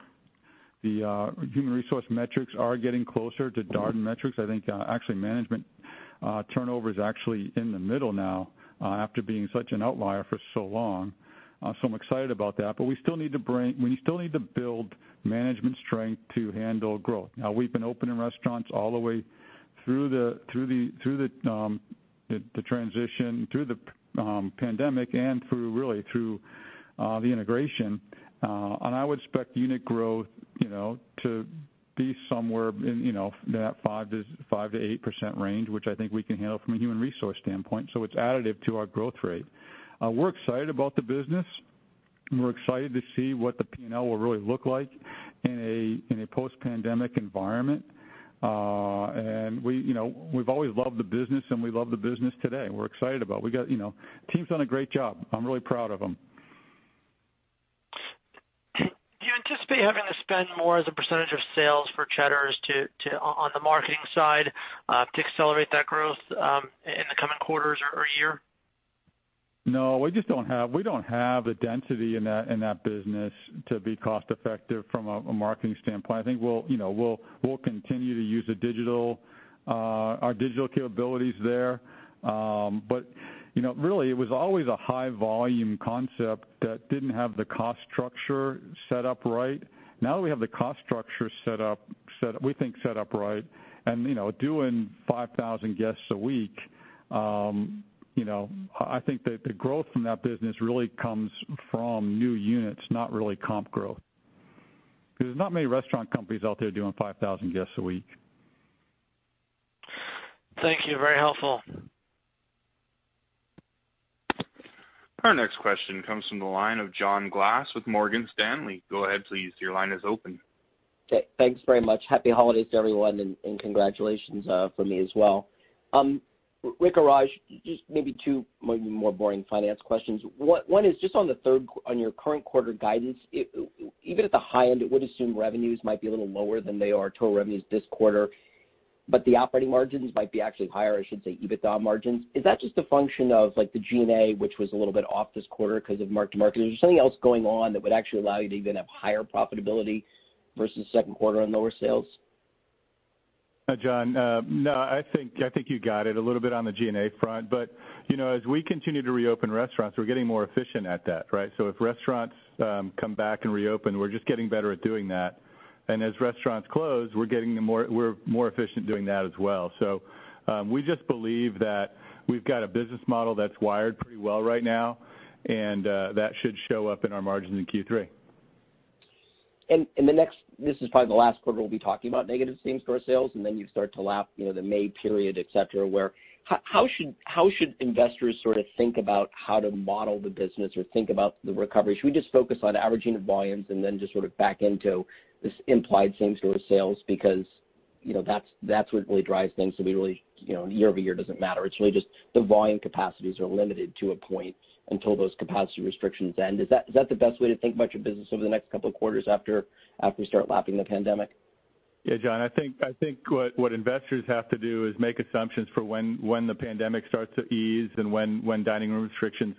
human resource metrics are getting closer to Darden metrics. I think actually management turnover is actually in the middle now after being such an outlier for so long. I'm excited about that. We still need to bring, we still need to build management strength to handle growth. We have been opening restaurants all the way through the transition, through the pandemic, and really through the integration. I would expect unit growth to be somewhere in that 5-8% range, which I think we can handle from a human resource standpoint. It is additive to our growth rate. We're excited about the business. We're excited to see what the P&L will really look like in a post-pandemic environment. We have always loved the business, and we love the business today. We're excited about it. We got teams done a great job. I'm really proud of them. Do you anticipate having to spend more as a percentage of sales for Cheddar's on the marketing side to accelerate that growth in the coming quarters or year? No, we just don't have the density in that business to be cost-effective from a marketing standpoint. I think we'll continue to use our digital capabilities there. It was always a high-volume concept that didn't have the cost structure set up right. Now that we have the cost structure set up, we think set up right. Doing 5,000 guests a week, I think that the growth from that business really comes from new units, not really comp growth. There's not many restaurant companies out there doing 5,000 guests a week. Thank you. Very helpful. Our next question comes from the line of John Glass with Morgan Stanley. Go ahead, please. Your line is open. Thanks very much. Happy holidays to everyone, and congratulations for me as well. Rick or Raj, just maybe two maybe more boring finance questions. One is just on your current quarter guidance. Even at the high end, it would assume revenues might be a little lower than they are total revenues this quarter, but the operating margins might be actually higher, I should say, EBITDA margins. Is that just a function of the G&A, which was a little bit off this quarter because of mark-to-market? Is there something else going on that would actually allow you to even have higher profitability versus the second quarter on lower sales? Hi, John. No, I think you got it a little bit on the G&A front. As we continue to reopen restaurants, we're getting more efficient at that, right? If restaurants come back and reopen, we're just getting better at doing that. As restaurants close, we're more efficient doing that as well. We just believe that we've got a business model that's wired pretty well right now, and that should show up in our margins in Q3. This is probably the last quarter we'll be talking about negative same-restaurant sales, and then you start to lap the May period, etc., where how should investors sort of think about how to model the business or think about the recovery? Should we just focus on averaging volumes and then just sort of back into this implied same-restaurant sales because that's what really drives things? Year over year does not matter. It is really just the volume capacities are limited to a point until those capacity restrictions end. Is that the best way to think about your business over the next couple of quarters after we start lapping the pandemic? Yeah, John. I think what investors have to do is make assumptions for when the pandemic starts to ease and when dining room restrictions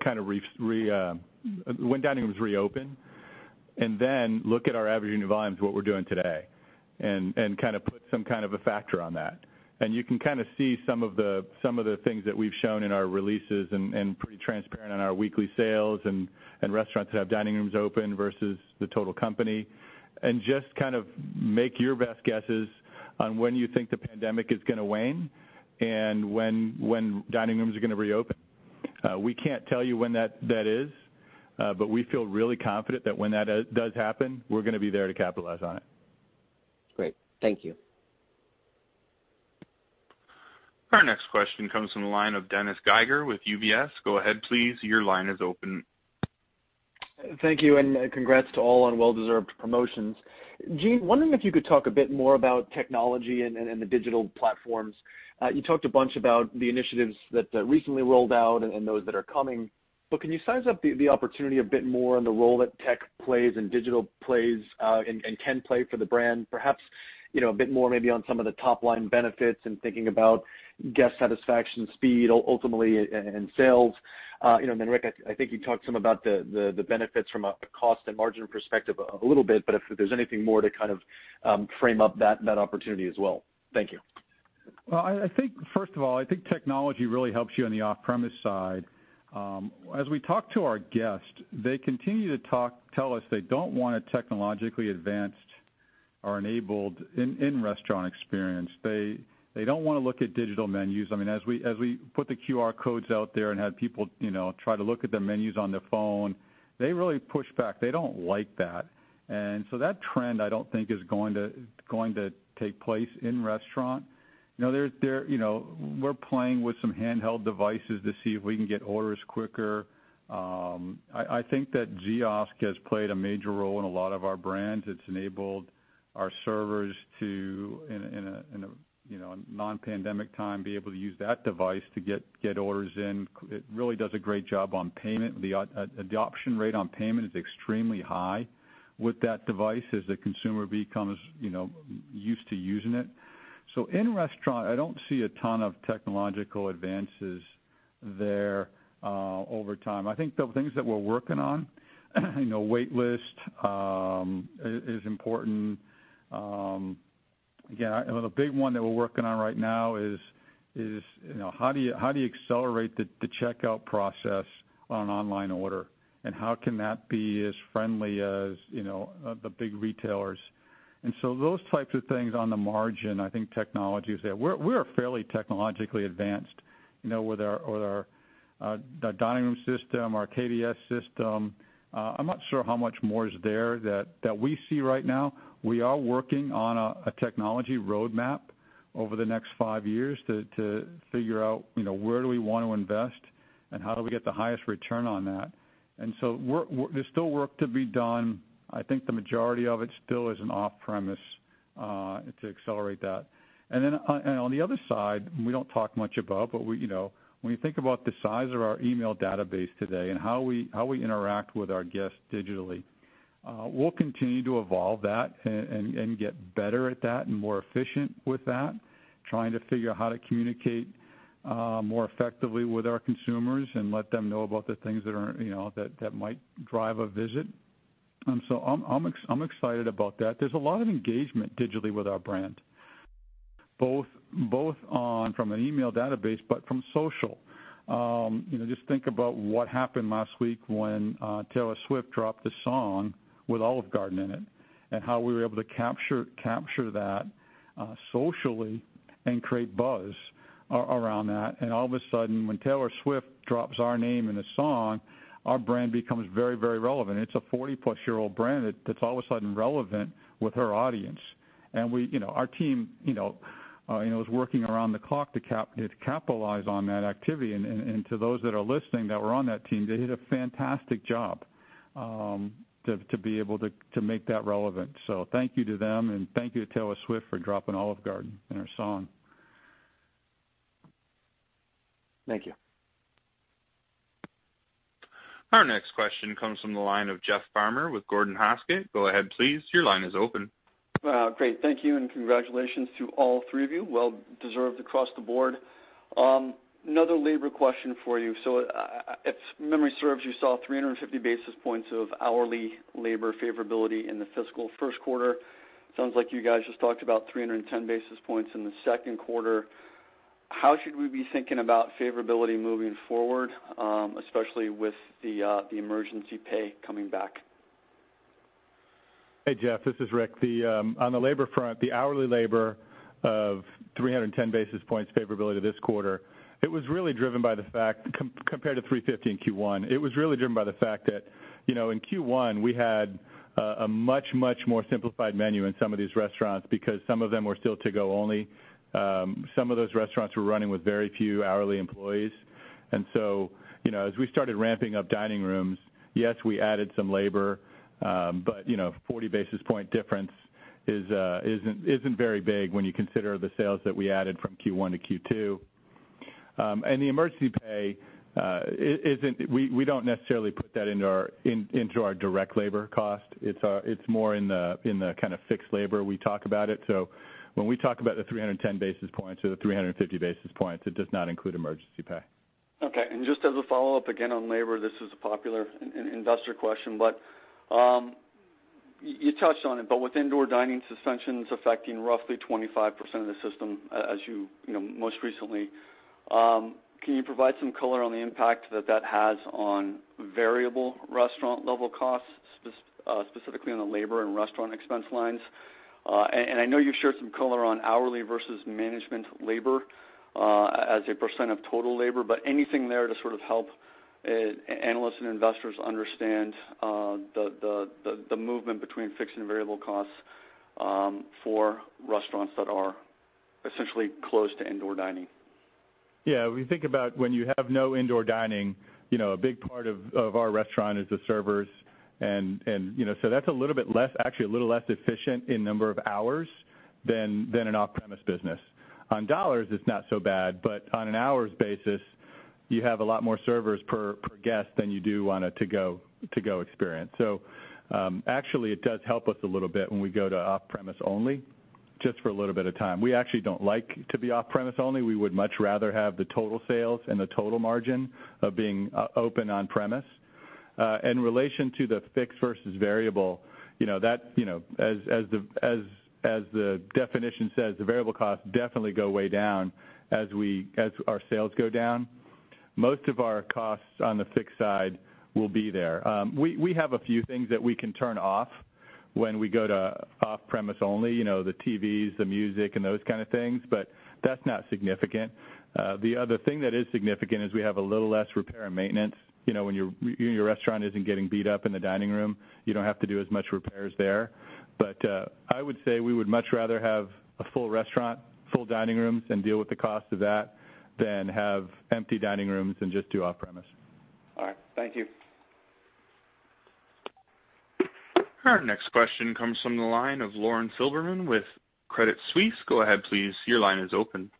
kind of when dining rooms reopen, and then look at our averaging volumes, what we're doing today, and kind of put some kind of a factor on that. You can kind of see some of the things that we've shown in our releases and pretty transparent on our weekly sales and restaurants that have dining rooms open versus the total company and just kind of make your best guesses on when you think the pandemic is going to wane and when dining rooms are going to reopen. We can't tell you when that is, but we feel really confident that when that does happen, we're going to be there to capitalize on it. Great. Thank you. Our next question comes from the line of Dennis Geiger with UBS. Go ahead, please. Your line is open. Thank you. And congrats to all on well-deserved promotions. Gene, wondering if you could talk a bit more about technology and the digital platforms. You talked a bunch about the initiatives that recently rolled out and those that are coming. But can you size up the opportunity a bit more on the role that tech plays and digital plays and can play for the brand, perhaps a bit more maybe on some of the top-line benefits and thinking about guest satisfaction speed ultimately and sales? And then, Rick, I think you talked some about the benefits from a cost and margin perspective a little bit, but if there's anything more to kind of frame up that opportunity as well. Thank you. I think, first of all, I think technology really helps you on the off-premise side. As we talk to our guests, they continue to tell us they don't want a technologically advanced or enabled in-restaurant experience. They don't want to look at digital menus. I mean, as we put the QR codes out there and had people try to look at their menus on their phone, they really push back. They don't like that. That trend, I don't think, is going to take place in restaurant. We're playing with some handheld devices to see if we can get orders quicker. I think that Ziosk has played a major role in a lot of our brands. It's enabled our servers to, in a non-pandemic time, be able to use that device to get orders in. It really does a great job on payment. The adoption rate on payment is extremely high with that device as the consumer becomes used to using it. In restaurant, I don't see a ton of technological advances there over time. I think the things that we're working on, waitlist is important. The big one that we're working on right now is how do you accelerate the checkout process on an online order, and how can that be as friendly as the big retailers? Those types of things on the margin, I think technology is there. We're fairly technologically advanced with our dining room system, our KDS system. I'm not sure how much more is there that we see right now. We are working on a technology roadmap over the next five years to figure out where do we want to invest and how do we get the highest return on that. There is still work to be done. I think the majority of it still is in off-premise to accelerate that. On the other side, we do not talk much about it, but when you think about the size of our email database today and how we interact with our guests digitally, we will continue to evolve that and get better at that and more efficient with that, trying to figure out how to communicate more effectively with our consumers and let them know about the things that might drive a visit. I am excited about that. There is a lot of engagement digitally with our brand, both from an email database and from social. Just think about what happened last week when Taylor Swift dropped the song with Olive Garden in it and how we were able to capture that socially and create buzz around that. All of a sudden, when Taylor Swift drops our name in the song, our brand becomes very, very relevant. It is a 40-plus-year-old brand that is all of a sudden relevant with her audience. Our team is working around the clock to capitalize on that activity. To those that are listening that were on that team, they did a fantastic job to be able to make that relevant. Thank you to them, and thank you to Taylor Swift for dropping Olive Garden in her song. Thank you. Our next question comes from the line of Jeff Farmer with Gordon Haskett. Go ahead, please. Your line is open. Great. Thank you. Congratulations to all three of you. Well-deserved across the board. Another labor question for you. If memory serves, you saw 350 basis points of hourly labor favorability in the fiscal first quarter. Sounds like you guys just talked about 310 basis points in the second quarter. How should we be thinking about favorability moving forward, especially with the emergency pay coming back? Hey, Jeff. This is Rick. On the labor front, the hourly labor of 310 basis points favorability this quarter, it was really driven by the fact compared to 350 in Q1. It was really driven by the fact that in Q1, we had a much, much more simplified menu in some of these restaurants because some of them were still to-go only. Some of those restaurants were running with very few hourly employees. As we started ramping up dining rooms, yes, we added some labor, but 40 basis point difference isn't very big when you consider the sales that we added from Q1 to Q2. The emergency pay, we don't necessarily put that into our direct labor cost. It's more in the kind of fixed labor we talk about. When we talk about the 310 basis points or the 350 basis points, it does not include emergency pay. Okay. Just as a follow-up again on labor, this is a popular investor question, but you touched on it, with indoor dining suspensions affecting roughly 25% of the system as you most recently, can you provide some color on the impact that that has on variable restaurant-level costs, specifically on the labor and restaurant expense lines? I know you've shared some color on hourly versus management labor as a percent of total labor, but anything there to sort of help analysts and investors understand the movement between fixed and variable costs for restaurants that are essentially closed to indoor dining? Yeah. When you think about when you have no indoor dining, a big part of our restaurant is the servers. That is a little bit less, actually a little less efficient in number of hours than an off-premise business. On dollars, it is not so bad, but on an hours basis, you have a lot more servers per guest than you do on a to-go experience. Actually, it does help us a little bit when we go to off-premise only just for a little bit of time. We actually do not like to be off-premise only. We would much rather have the total sales and the total margin of being open on-premise. In relation to the fixed versus variable, as the definition says, the variable costs definitely go way down as our sales go down. Most of our costs on the fixed side will be there. We have a few things that we can turn off when we go to off-premise only, the TVs, the music, and those kind of things, but that's not significant. The other thing that is significant is we have a little less repair and maintenance. When your restaurant isn't getting beat up in the dining room, you don't have to do as much repairs there. I would say we would much rather have a full restaurant, full dining rooms, and deal with the cost of that than have empty dining rooms and just do off-premise. All right. Thank you. Our next question comes from the line of Lauren Silberman with Credit Suisse. Go ahead, please. Your line is open.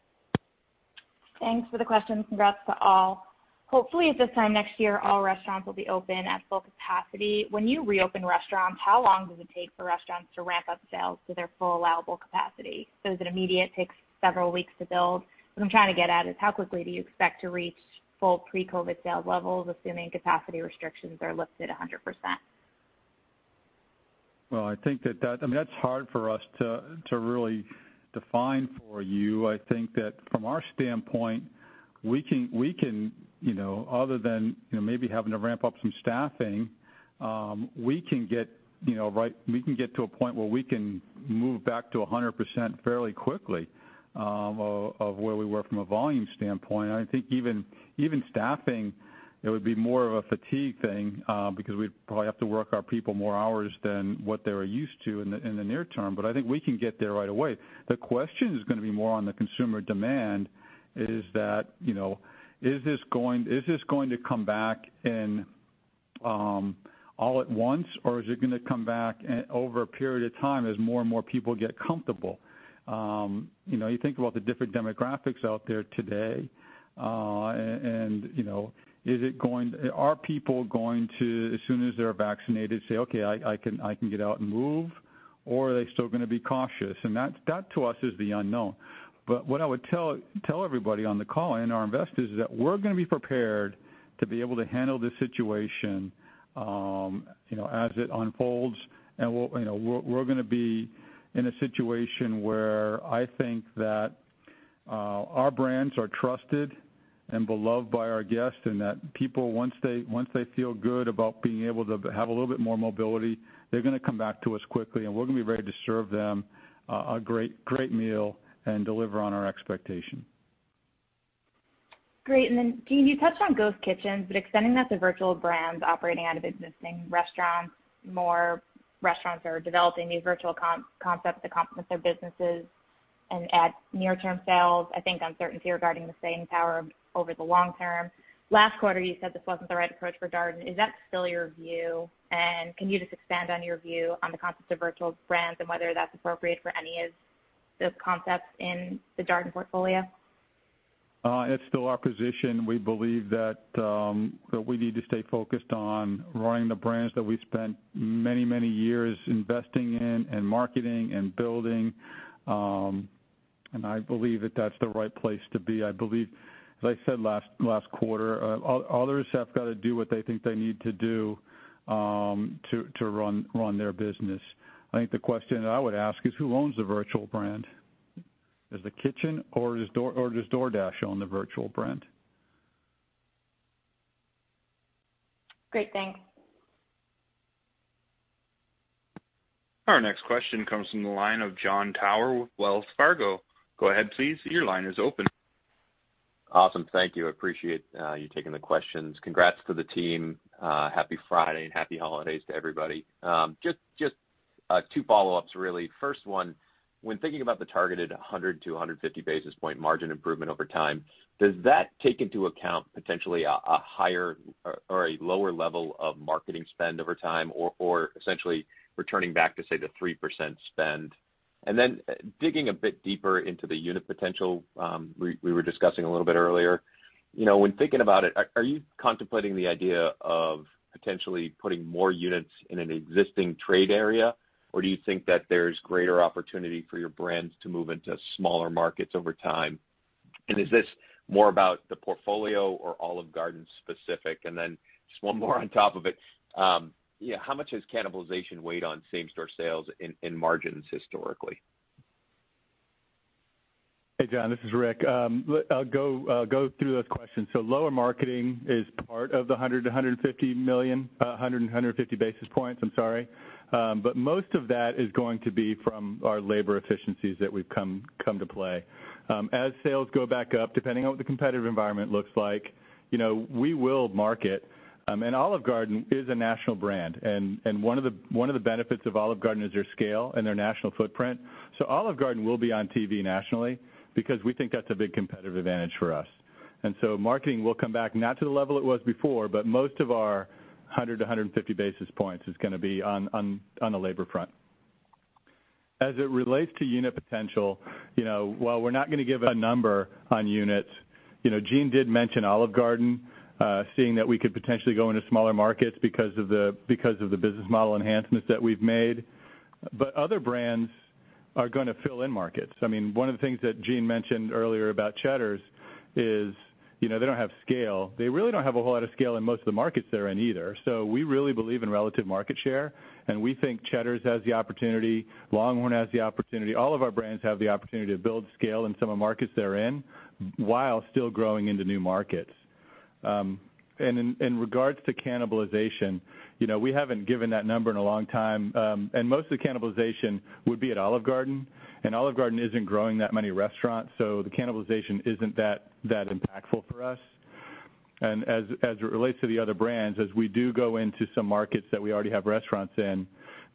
Thanks for the question. Congrats to all. Hopefully, at this time next year, all restaurants will be open at full capacity. When you reopen restaurants, how long does it take for restaurants to ramp up sales to their full allowable capacity? Is it immediate? It takes several weeks to build? What I'm trying to get at is how quickly do you expect to reach full pre-COVID sales levels, assuming capacity restrictions are lifted 100%? I think that that is hard for us to really define for you. I think that from our standpoint, other than maybe having to ramp up some staffing, we can get to a point where we can move back to 100% fairly quickly of where we were from a volume standpoint. I think even staffing, it would be more of a fatigue thing because we'd probably have to work our people more hours than what they were used to in the near term. I think we can get there right away. The question is going to be more on the consumer demand. Is this going to come back all at once, or is it going to come back over a period of time as more and more people get comfortable? You think about the different demographics out there today, and is it going are people going to, as soon as they're vaccinated, say, "Okay, I can get out and move," or are they still going to be cautious? That, to us, is the unknown. What I would tell everybody on the call and our investors is that we're going to be prepared to be able to handle this situation as it unfolds. We're going to be in a situation where I think that our brands are trusted and beloved by our guests and that people, once they feel good about being able to have a little bit more mobility, they're going to come back to us quickly, and we're going to be ready to serve them a great meal and deliver on our expectation. Great. Gene, you touched on ghost Kitchens, but extending that to virtual brands operating out of existing restaurants, more restaurants are developing these virtual concepts to complement their businesses and add near-term sales. I think uncertainty regarding the staying power over the long term. Last quarter, you said this wasn't the right approach for Darden. Is that still your view? Can you just expand on your view on the concept of virtual brands and whether that's appropriate for any of the concepts in the Darden portfolio? It's still our position. We believe that we need to stay focused on running the brands that we spent many, many years investing in and marketing and building. I believe that that's the right place to be. I believe, as I said last quarter, others have got to do what they think they need to do to run their business. I think the question that I would ask is who owns the virtual brand? Is it Kitchen or does DoorDash own the virtual brand? Great. Thanks. Our next question comes from the line of Jon Tower with Wells Fargo. Go ahead, please. Your line is open. Awesome. Thank you. I appreciate you taking the questions. Congrats to the team. Happy Friday and happy holidays to everybody. Just two follow-ups, really. First one, when thinking about the targeted 100-150 basis point margin improvement over time, does that take into account potentially a higher or a lower level of marketing spend over time or essentially returning back to, say, the 3% spend? Digging a bit deeper into the unit potential we were discussing a little bit earlier, when thinking about it, are you contemplating the idea of potentially putting more units in an existing trade area, or do you think that there's greater opportunity for your brands to move into smaller markets over time? Is this more about the portfolio or Olive Garden specific? Just one more on top of it. How much has cannibalization weighed on same-store sales and margins historically? Hey, John. This is Rick. I'll go through those questions. Lower marketing is part of the 100-150 million, 100-150 basis points. I'm sorry. Most of that is going to be from our labor efficiencies that we've come to play. As sales go back up, depending on what the competitive environment looks like, we will market. Olive Garden is a national brand. One of the benefits of Olive Garden is their scale and their national footprint. Olive Garden will be on TV nationally because we think that's a big competitive advantage for us. Marketing will come back, not to the level it was before, but most of our 100-150 basis points is going to be on the labor front. As it relates to unit potential, while we're not going to give a number on units, Gene did mention Olive Garden, seeing that we could potentially go into smaller markets because of the business model enhancements that we've made. Other brands are going to fill in markets. I mean, one of the things that Gene mentioned earlier about Cheddar's is they don't have scale. They really don't have a whole lot of scale in most of the markets they're in either. We really believe in relative market share. We think Cheddar's has the opportunity, LongHorn has the opportunity. All of our brands have the opportunity to build scale in some of the markets they're in while still growing into new markets. In regards to cannibalization, we haven't given that number in a long time. Most of the cannibalization would be at Olive Garden. Olive Garden isn't growing that many restaurants, so the cannibalization isn't that impactful for us. As it relates to the other brands, as we do go into some markets that we already have restaurants in,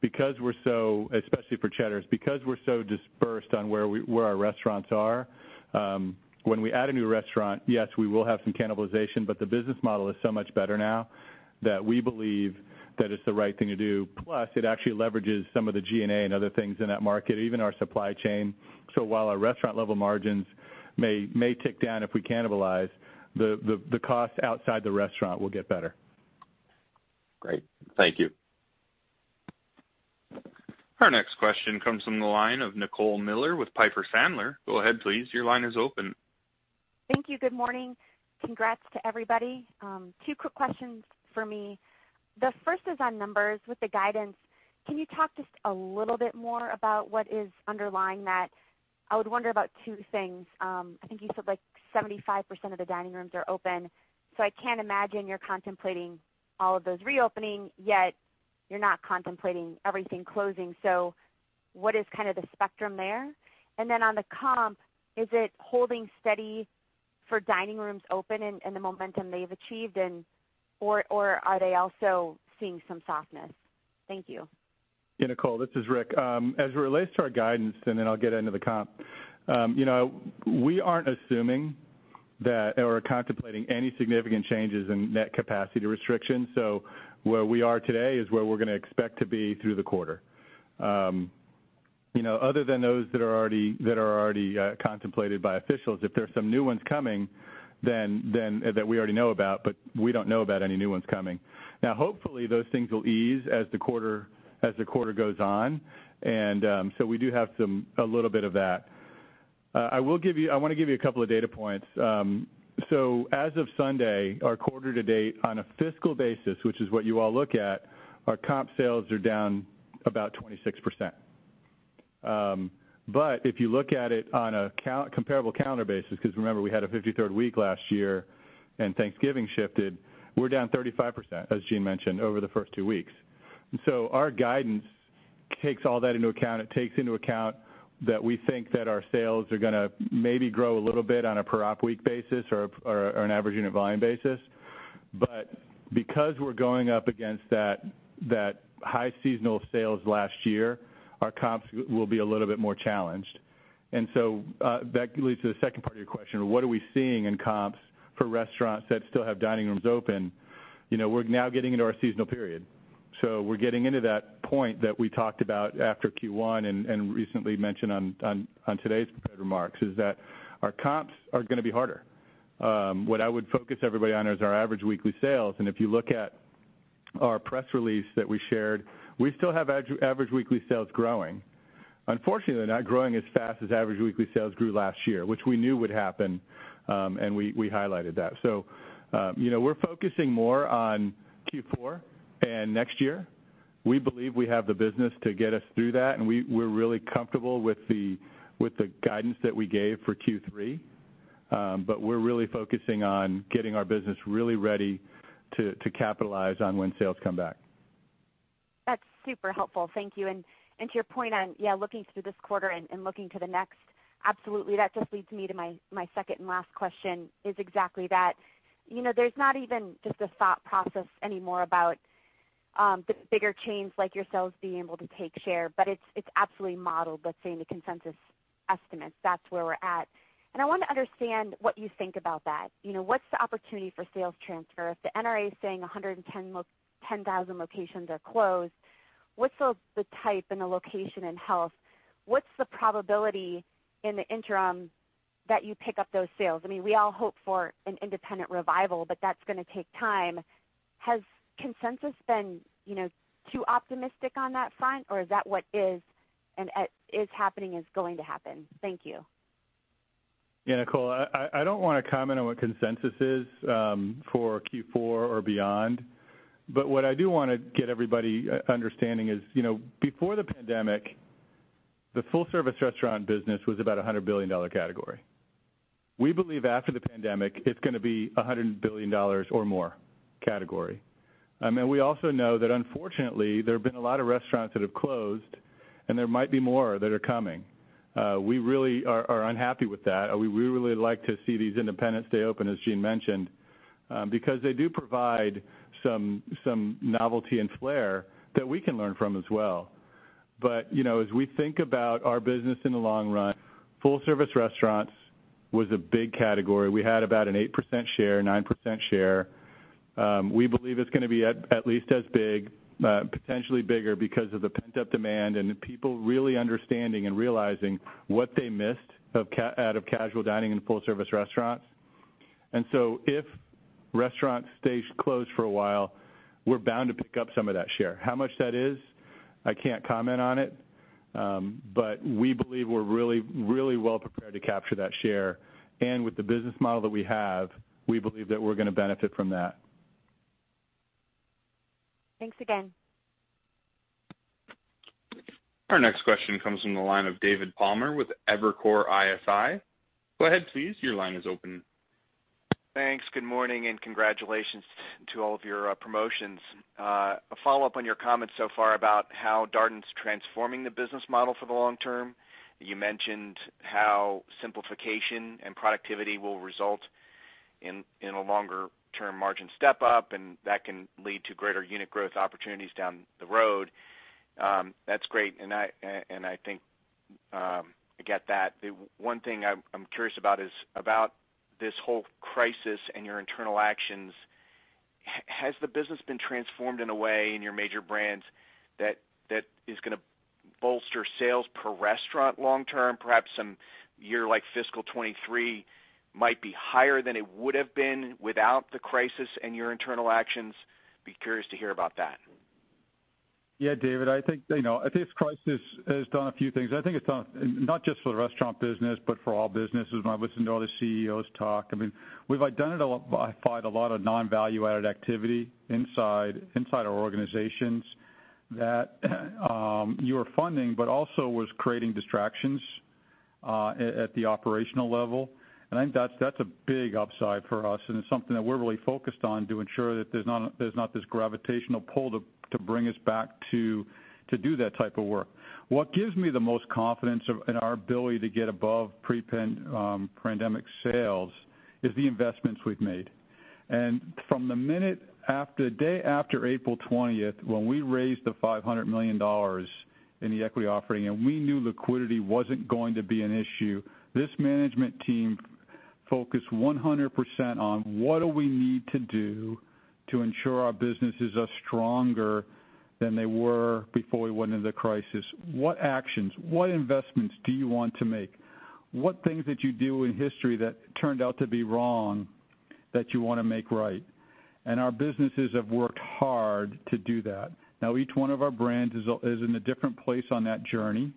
especially for Cheddar's, because we're so dispersed on where our restaurants are, when we add a new restaurant, yes, we will have some cannibalization, but the business model is so much better now that we believe that it's the right thing to do. Plus, it actually leverages some of the G&A and other things in that market, even our supply chain. While our restaurant-level margins may tick down if we cannibalize, the costs outside the restaurant will get better. Great. Thank you. Our next question comes from the line of Nicole Miller with Piper Sandler. Go ahead, please. Your line is open. Thank you. Good morning. Congrats to everybody. Two quick questions for me. The first is on numbers. With the guidance, can you talk just a little bit more about what is underlying that? I would wonder about two things. I think you said like 75% of the dining rooms are open. I can't imagine you're contemplating all of those reopening, yet you're not contemplating everything closing. What is kind of the spectrum there? On the comp, is it holding steady for dining rooms open and the momentum they've achieved, or are they also seeing some softness? Thank you. Yeah, Nicole, this is Rick. As it relates to our guidance, and then I'll get into the comp, we aren't assuming that or contemplating any significant changes in net capacity restrictions. Where we are today is where we're going to expect to be through the quarter. Other than those that are already contemplated by officials, if there's some new ones coming that we already know about, but we don't know about any new ones coming. Now, hopefully, those things will ease as the quarter goes on. We do have a little bit of that. I want to give you a couple of data points. As of Sunday, our quarter to date on a fiscal basis, which is what you all look at, our comp sales are down about 26%. If you look at it on a comparable calendar basis, because remember, we had a 53rd week last year, and Thanksgiving shifted, we're down 35%, as Gene mentioned, over the first two weeks. Our guidance takes all that into account. It takes into account that we think that our sales are going to maybe grow a little bit on a per-op week basis or an average unit volume basis. Because we're going up against that high seasonal sales last year, our comps will be a little bit more challenged. That leads to the second part of your question. What are we seeing in comps for restaurants that still have dining rooms open? We're now getting into our seasonal period. We're getting into that point that we talked about after Q1 and recently mentioned on today's prepared remarks is that our comps are going to be harder. What I would focus everybody on is our average weekly sales. If you look at our press release that we shared, we still have average weekly sales growing. Unfortunately, they're not growing as fast as average weekly sales grew last year, which we knew would happen, and we highlighted that. We're focusing more on Q4 and next year. We believe we have the business to get us through that. We're really comfortable with the guidance that we gave for Q3. We're really focusing on getting our business really ready to capitalize on when sales come back. That's super helpful. Thank you. To your point on, yeah, looking through this quarter and looking to the next, absolutely. That just leads me to my second and last question is exactly that. There's not even just a thought process anymore about the bigger chains like yourselves being able to take share. It's absolutely modeled, let's say, in the consensus estimates. That's where we're at. I want to understand what you think about that. What's the opportunity for sales transfer? If the NRA is saying 110,000 locations are closed, what's the type and the location and health? What's the probability in the interim that you pick up those sales? I mean, we all hope for an independent revival, but that's going to take time. Has consensus been too optimistic on that front, or is that what is happening is going to happen? Thank you. Yeah, Nicole, I don't want to comment on what consensus is for Q4 or beyond. What I do want to get everybody understanding is before the pandemic, the full-service restaurant business was about a $100 billion category. We believe after the pandemic, it's going to be a $100 billion or more category. We also know that, unfortunately, there have been a lot of restaurants that have closed, and there might be more that are coming. We really are unhappy with that. We really would like to see these independents stay open, as Gene mentioned, because they do provide some novelty and flair that we can learn from as well. As we think about our business in the long run, full-service restaurants was a big category. We had about an 8% share, 9% share. We believe it's going to be at least as big, potentially bigger because of the pent-up demand and people really understanding and realizing what they missed out of casual dining and full-service restaurants. If restaurants stay closed for a while, we're bound to pick up some of that share. How much that is, I can't comment on it. We believe we're really, really well prepared to capture that share. With the business model that we have, we believe that we're going to benefit from that. Thanks again. Our next question comes from the line of David Palmer with Evercore ISI. Go ahead, please. Your line is open. Thanks. Good morning and congratulations to all of your promotions. A follow-up on your comments so far about how Darden's transforming the business model for the long term. You mentioned how simplification and productivity will result in a longer-term margin step-up, and that can lead to greater unit growth opportunities down the road. That is great. I think I get that. The one thing I'm curious about is about this whole crisis and your internal actions. Has the business been transformed in a way in your major brands that is going to bolster sales per restaurant long term? Perhaps some year like fiscal 2023 might be higher than it would have been without the crisis and your internal actions. Be curious to hear about that. Yeah, David, I think this crisis has done a few things. I think it's done not just for the restaurant business, but for all businesses. When I listen to other CEOs talk, I mean, we've identified a lot of non-value-added activity inside our organizations that you were funding, but also was creating distractions at the operational level. I think that's a big upside for us. It's something that we're really focused on to ensure that there's not this gravitational pull to bring us back to do that type of work. What gives me the most confidence in our ability to get above pre-pandemic sales is the investments we've made. From the day after April 20, when we raised the $500 million in the equity offering, and we knew liquidity was not going to be an issue, this management team focused 100% on what do we need to do to ensure our businesses are stronger than they were before we went into the crisis. What actions, what investments do you want to make? What things that you do in history that turned out to be wrong that you want to make right? Our businesses have worked hard to do that. Now, each one of our brands is in a different place on that journey.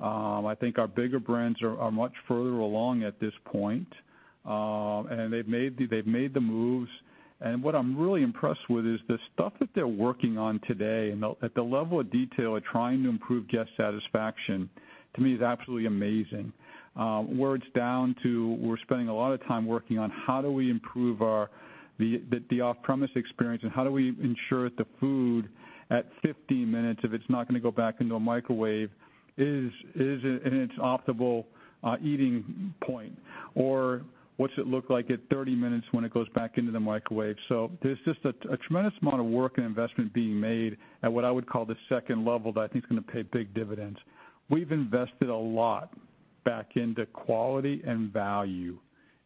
I think our bigger brands are much further along at this point. They have made the moves. What I'm really impressed with is the stuff that they're working on today at the level of detail of trying to improve guest satisfaction, to me, is absolutely amazing. It's down to, we're spending a lot of time working on how do we improve the off-premise experience and how do we ensure that the food at 15 minutes, if it's not going to go back into a microwave, is in its optimal eating point? What's it look like at 30 minutes when it goes back into the microwave? There is just a tremendous amount of work and investment being made at what I would call the second level that I think is going to pay big dividends. We've invested a lot back into quality and value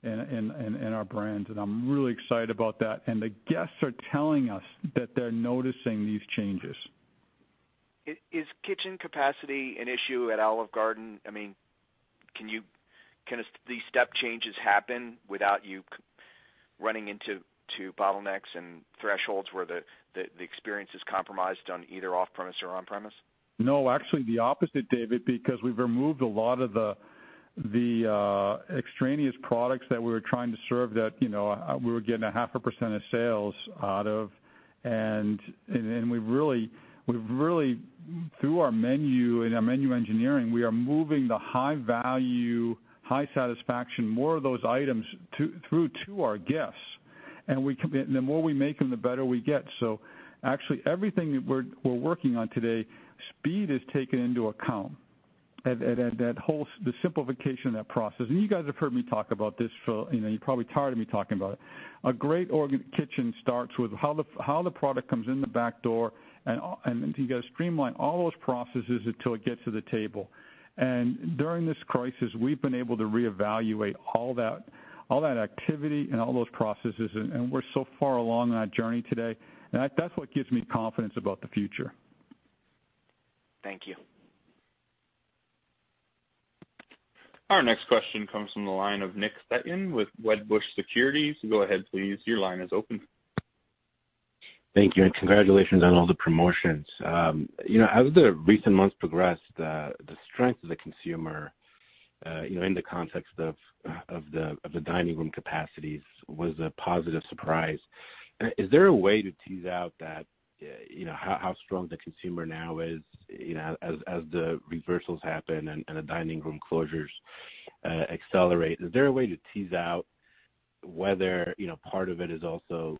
in our brands. I'm really excited about that. The guests are telling us that they're noticing these changes. Is Kitchen capacity an issue at Olive Garden? I mean, can these step changes happen without you running into bottlenecks and thresholds where the experience is compromised on either off-premise or on-premise? No, actually the opposite, David, because we've removed a lot of the extraneous products that we were trying to serve that we were getting a half a percent of sales out of. We've really, through our menu and our menu engineering, we are moving the high value, high satisfaction, more of those items through to our guests. The more we make them, the better we get. Actually, everything we're working on today, speed is taken into account at the simplification of that process. You guys have heard me talk about this. You're probably tired of me talking about it. A great Kitchen starts with how the product comes in the back door, and you got to streamline all those processes until it gets to the table. During this crisis, we've been able to reevaluate all that activity and all those processes. We're so far along on that journey today. That's what gives me confidence about the future. Thank you. Our next question comes from the line of Nick Setyan with Wedbush Securities. Go ahead, please. Your line is open. Thank you. Congratulations on all the promotions. As the recent months progressed, the strength of the consumer in the context of the dining room capacities was a positive surprise. Is there a way to tease out how strong the consumer now is as the reversals happen and the dining room closures accelerate? Is there a way to tease out whether part of it is also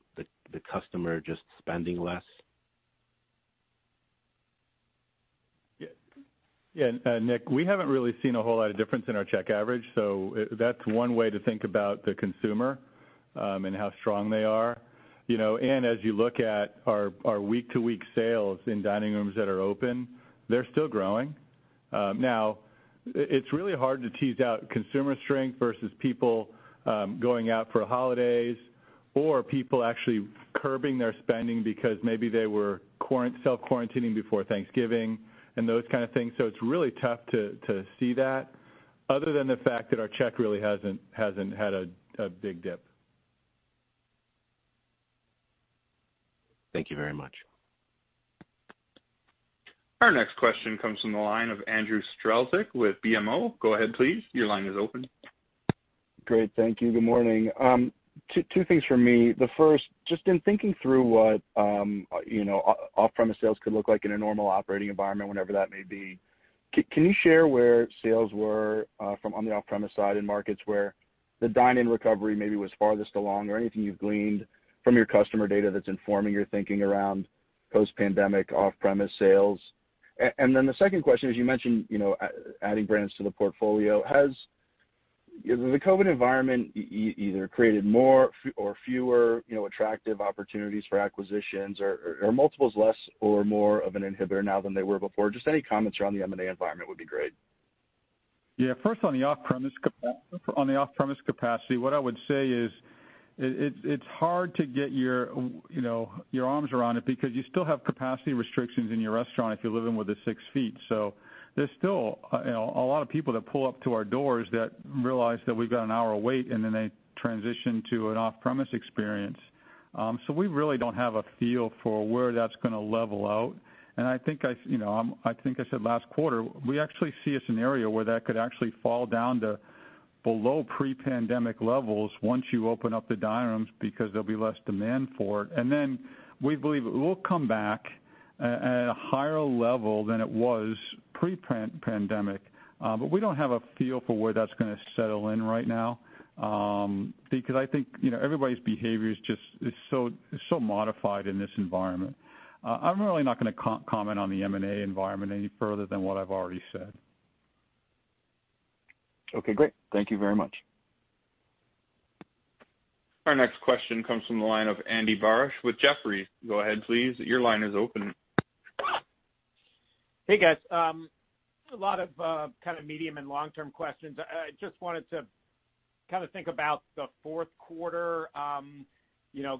the customer just spending less? Yeah. Nick, we haven't really seen a whole lot of difference in our check average. That's one way to think about the consumer and how strong they are. As you look at our week-to-week sales in dining rooms that are open, they're still growing. Now, it's really hard to tease out consumer strength versus people going out for holidays or people actually curbing their spending because maybe they were self-quarantining before Thanksgiving and those kind of things. It's really tough to see that other than the fact that our check really hasn't had a big dip. Thank you very much. Our next question comes from the line of Andrew Strelzik with BMO. Go ahead, please. Your line is open. Great. Thank you. Good morning. Two things for me. The first, just in thinking through what off-premise sales could look like in a normal operating environment, whenever that may be, can you share where sales were on the off-premise side in markets where the dine-in recovery maybe was farthest along or anything you've gleaned from your customer data that's informing your thinking around post-pandemic off-premise sales? The second question is you mentioned adding brands to the portfolio. Has the COVID environment either created more or fewer attractive opportunities for acquisitions or multiples less or more of an inhibitor now than they were before? Just any comments around the M&A environment would be great. Yeah. First, on the off-premise capacity, what I would say is it's hard to get your arms around it because you still have capacity restrictions in your restaurant if you're living with the six feet. There are still a lot of people that pull up to our doors that realize that we've got an hour of wait, and they transition to an off-premise experience. We really don't have a feel for where that's going to level out. I think I said last quarter, we actually see a scenario where that could actually fall down to below pre-pandemic levels once you open up the dining rooms because there will be less demand for it. We believe it will come back at a higher level than it was pre-pandemic. We don't have a feel for where that's going to settle in right now because I think everybody's behavior is so modified in this environment. I'm really not going to comment on the M&A environment any further than what I've already said. Okay. Great. Thank you very much. Our next question comes from the line of Andy Barish with Jefferies. Go ahead, please. Your line is open. Hey, guys. A lot of kind of medium and long-term questions. I just wanted to kind of think about the fourth quarter,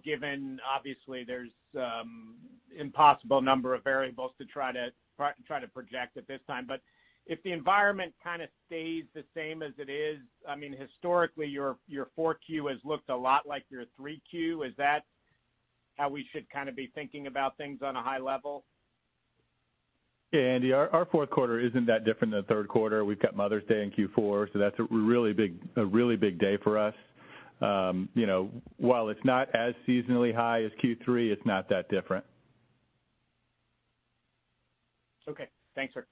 given, obviously, there's an impossible number of variables to try to project at this time. If the environment kind of stays the same as it is, I mean, historically, your 4Q has looked a lot like your 3Q. Is that how we should kind of be thinking about things on a high level? Yeah, Andy. Our fourth quarter is not that different than the third quarter. We have Mother's Day in Q4. That is a really big day for us. While it is not as seasonally high as Q3, it is not that different. Okay. Thanks, sir.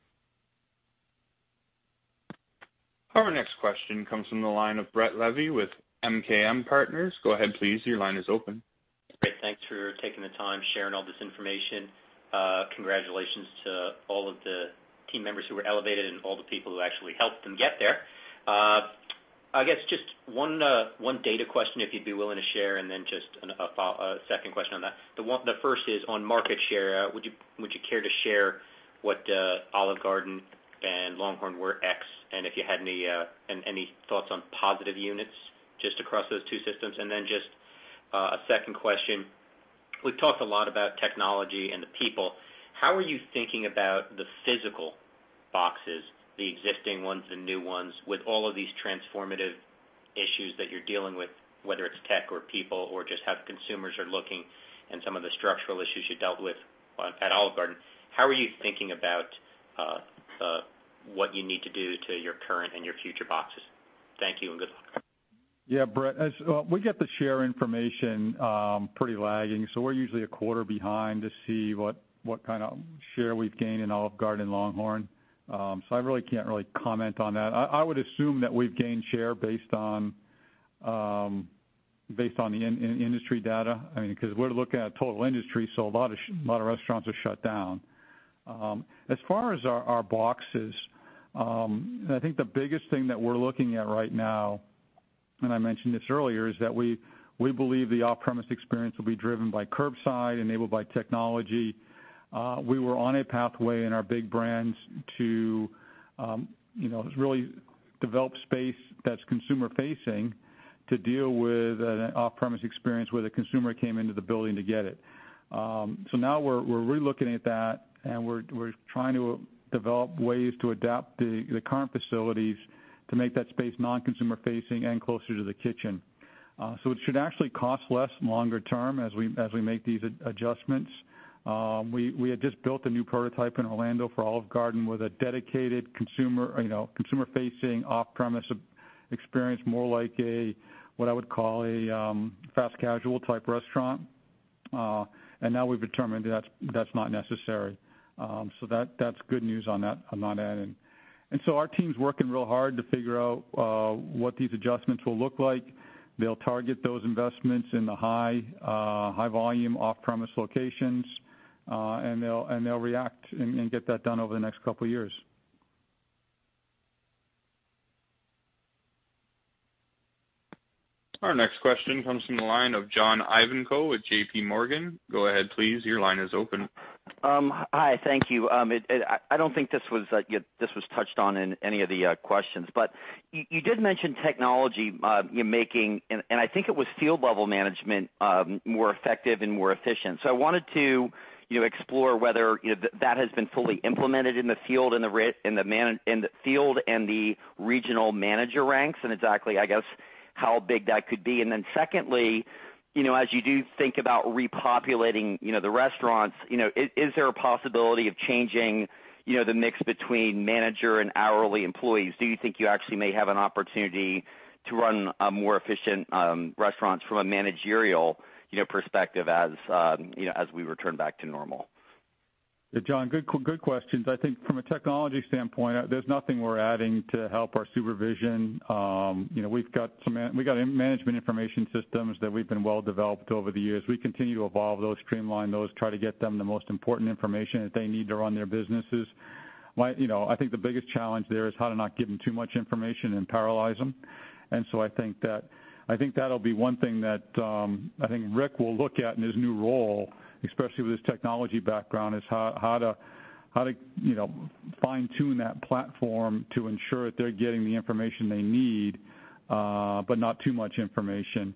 Our next question comes from the line of Brett Levy with MKM Partners. Go ahead, please. Your line is open. Great. Thanks for taking the time sharing all this information. Congratulations to all of the team members who were elevated and all the people who actually helped them get there. I guess just one data question if you'd be willing to share, and then just a second question on that. The first is on market share. Would you care to share what Olive Garden and LongHorn were X? And if you had any thoughts on positive units just across those two systems. Then just a second question. We've talked a lot about technology and the people. How are you thinking about the physical boxes, the existing ones, the new ones, with all of these transformative issues that you're dealing with, whether it's tech or people or just how consumers are looking and some of the structural issues you dealt with at Olive Garden? How are you thinking about what you need to do to your current and your future boxes? Thank you and good luck. Yeah, Brett. We get the share information pretty lagging. We are usually a quarter behind to see what kind of share we have gained in Olive Garden and LongHorn. I really cannot really comment on that. I would assume that we have gained share based on the industry data. I mean, because we are looking at a total industry, a lot of restaurants are shut down. As far as our boxes, I think the biggest thing that we are looking at right now, and I mentioned this earlier, is that we believe the off-premise experience will be driven by curbside, enabled by technology. We were on a pathway in our big brands to really develop space that is consumer-facing to deal with an off-premise experience where the consumer came into the building to get it. Now we're really looking at that, and we're trying to develop ways to adapt the current facilities to make that space non-consumer-facing and closer to the Kitchen. It should actually cost less longer term as we make these adjustments. We had just built a new prototype in Orlando for Olive Garden with a dedicated consumer-facing off-premise experience more like what I would call a fast casual type restaurant. Now we've determined that's not necessary. That's good news on that. Our team's working real hard to figure out what these adjustments will look like. They'll target those investments in the high-volume off-premise locations, and they'll react and get that done over the next couple of years. Our next question comes from the line of John Ivanko with J.P. Morgan. Go ahead, please. Your line is open. Hi. Thank you. I don't think this was touched on in any of the questions. You did mention technology making, and I think it was field-level management more effective and more efficient. I wanted to explore whether that has been fully implemented in the field and the regional manager ranks and exactly, I guess, how big that could be. Secondly, as you do think about repopulating the restaurants, is there a possibility of changing the mix between manager and hourly employees? Do you think you actually may have an opportunity to run more efficient restaurants from a managerial perspective as we return back to normal? Yeah, John, good questions. I think from a technology standpoint, there's nothing we're adding to help our supervision. We've got management information systems that we've been well developed over the years. We continue to evolve those, streamline those, try to get them the most important information that they need to run their businesses. I think the biggest challenge there is how to not give them too much information and paralyze them. I think that'll be one thing that I think Rick will look at in his new role, especially with his technology background, is how to fine-tune that platform to ensure that they're getting the information they need, but not too much information.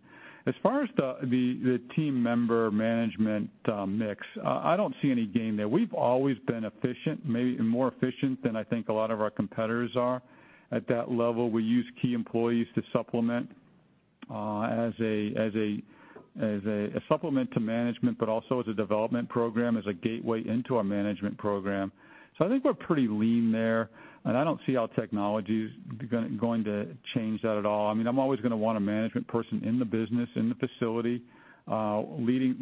As far as the team member management mix, I don't see any gain there. We've always been efficient, maybe more efficient than I think a lot of our competitors are at that level. We use key employees to supplement as a supplement to management, but also as a development program, as a gateway into our management program. I think we're pretty lean there. I don't see how technology is going to change that at all. I mean, I'm always going to want a management person in the business, in the facility, leading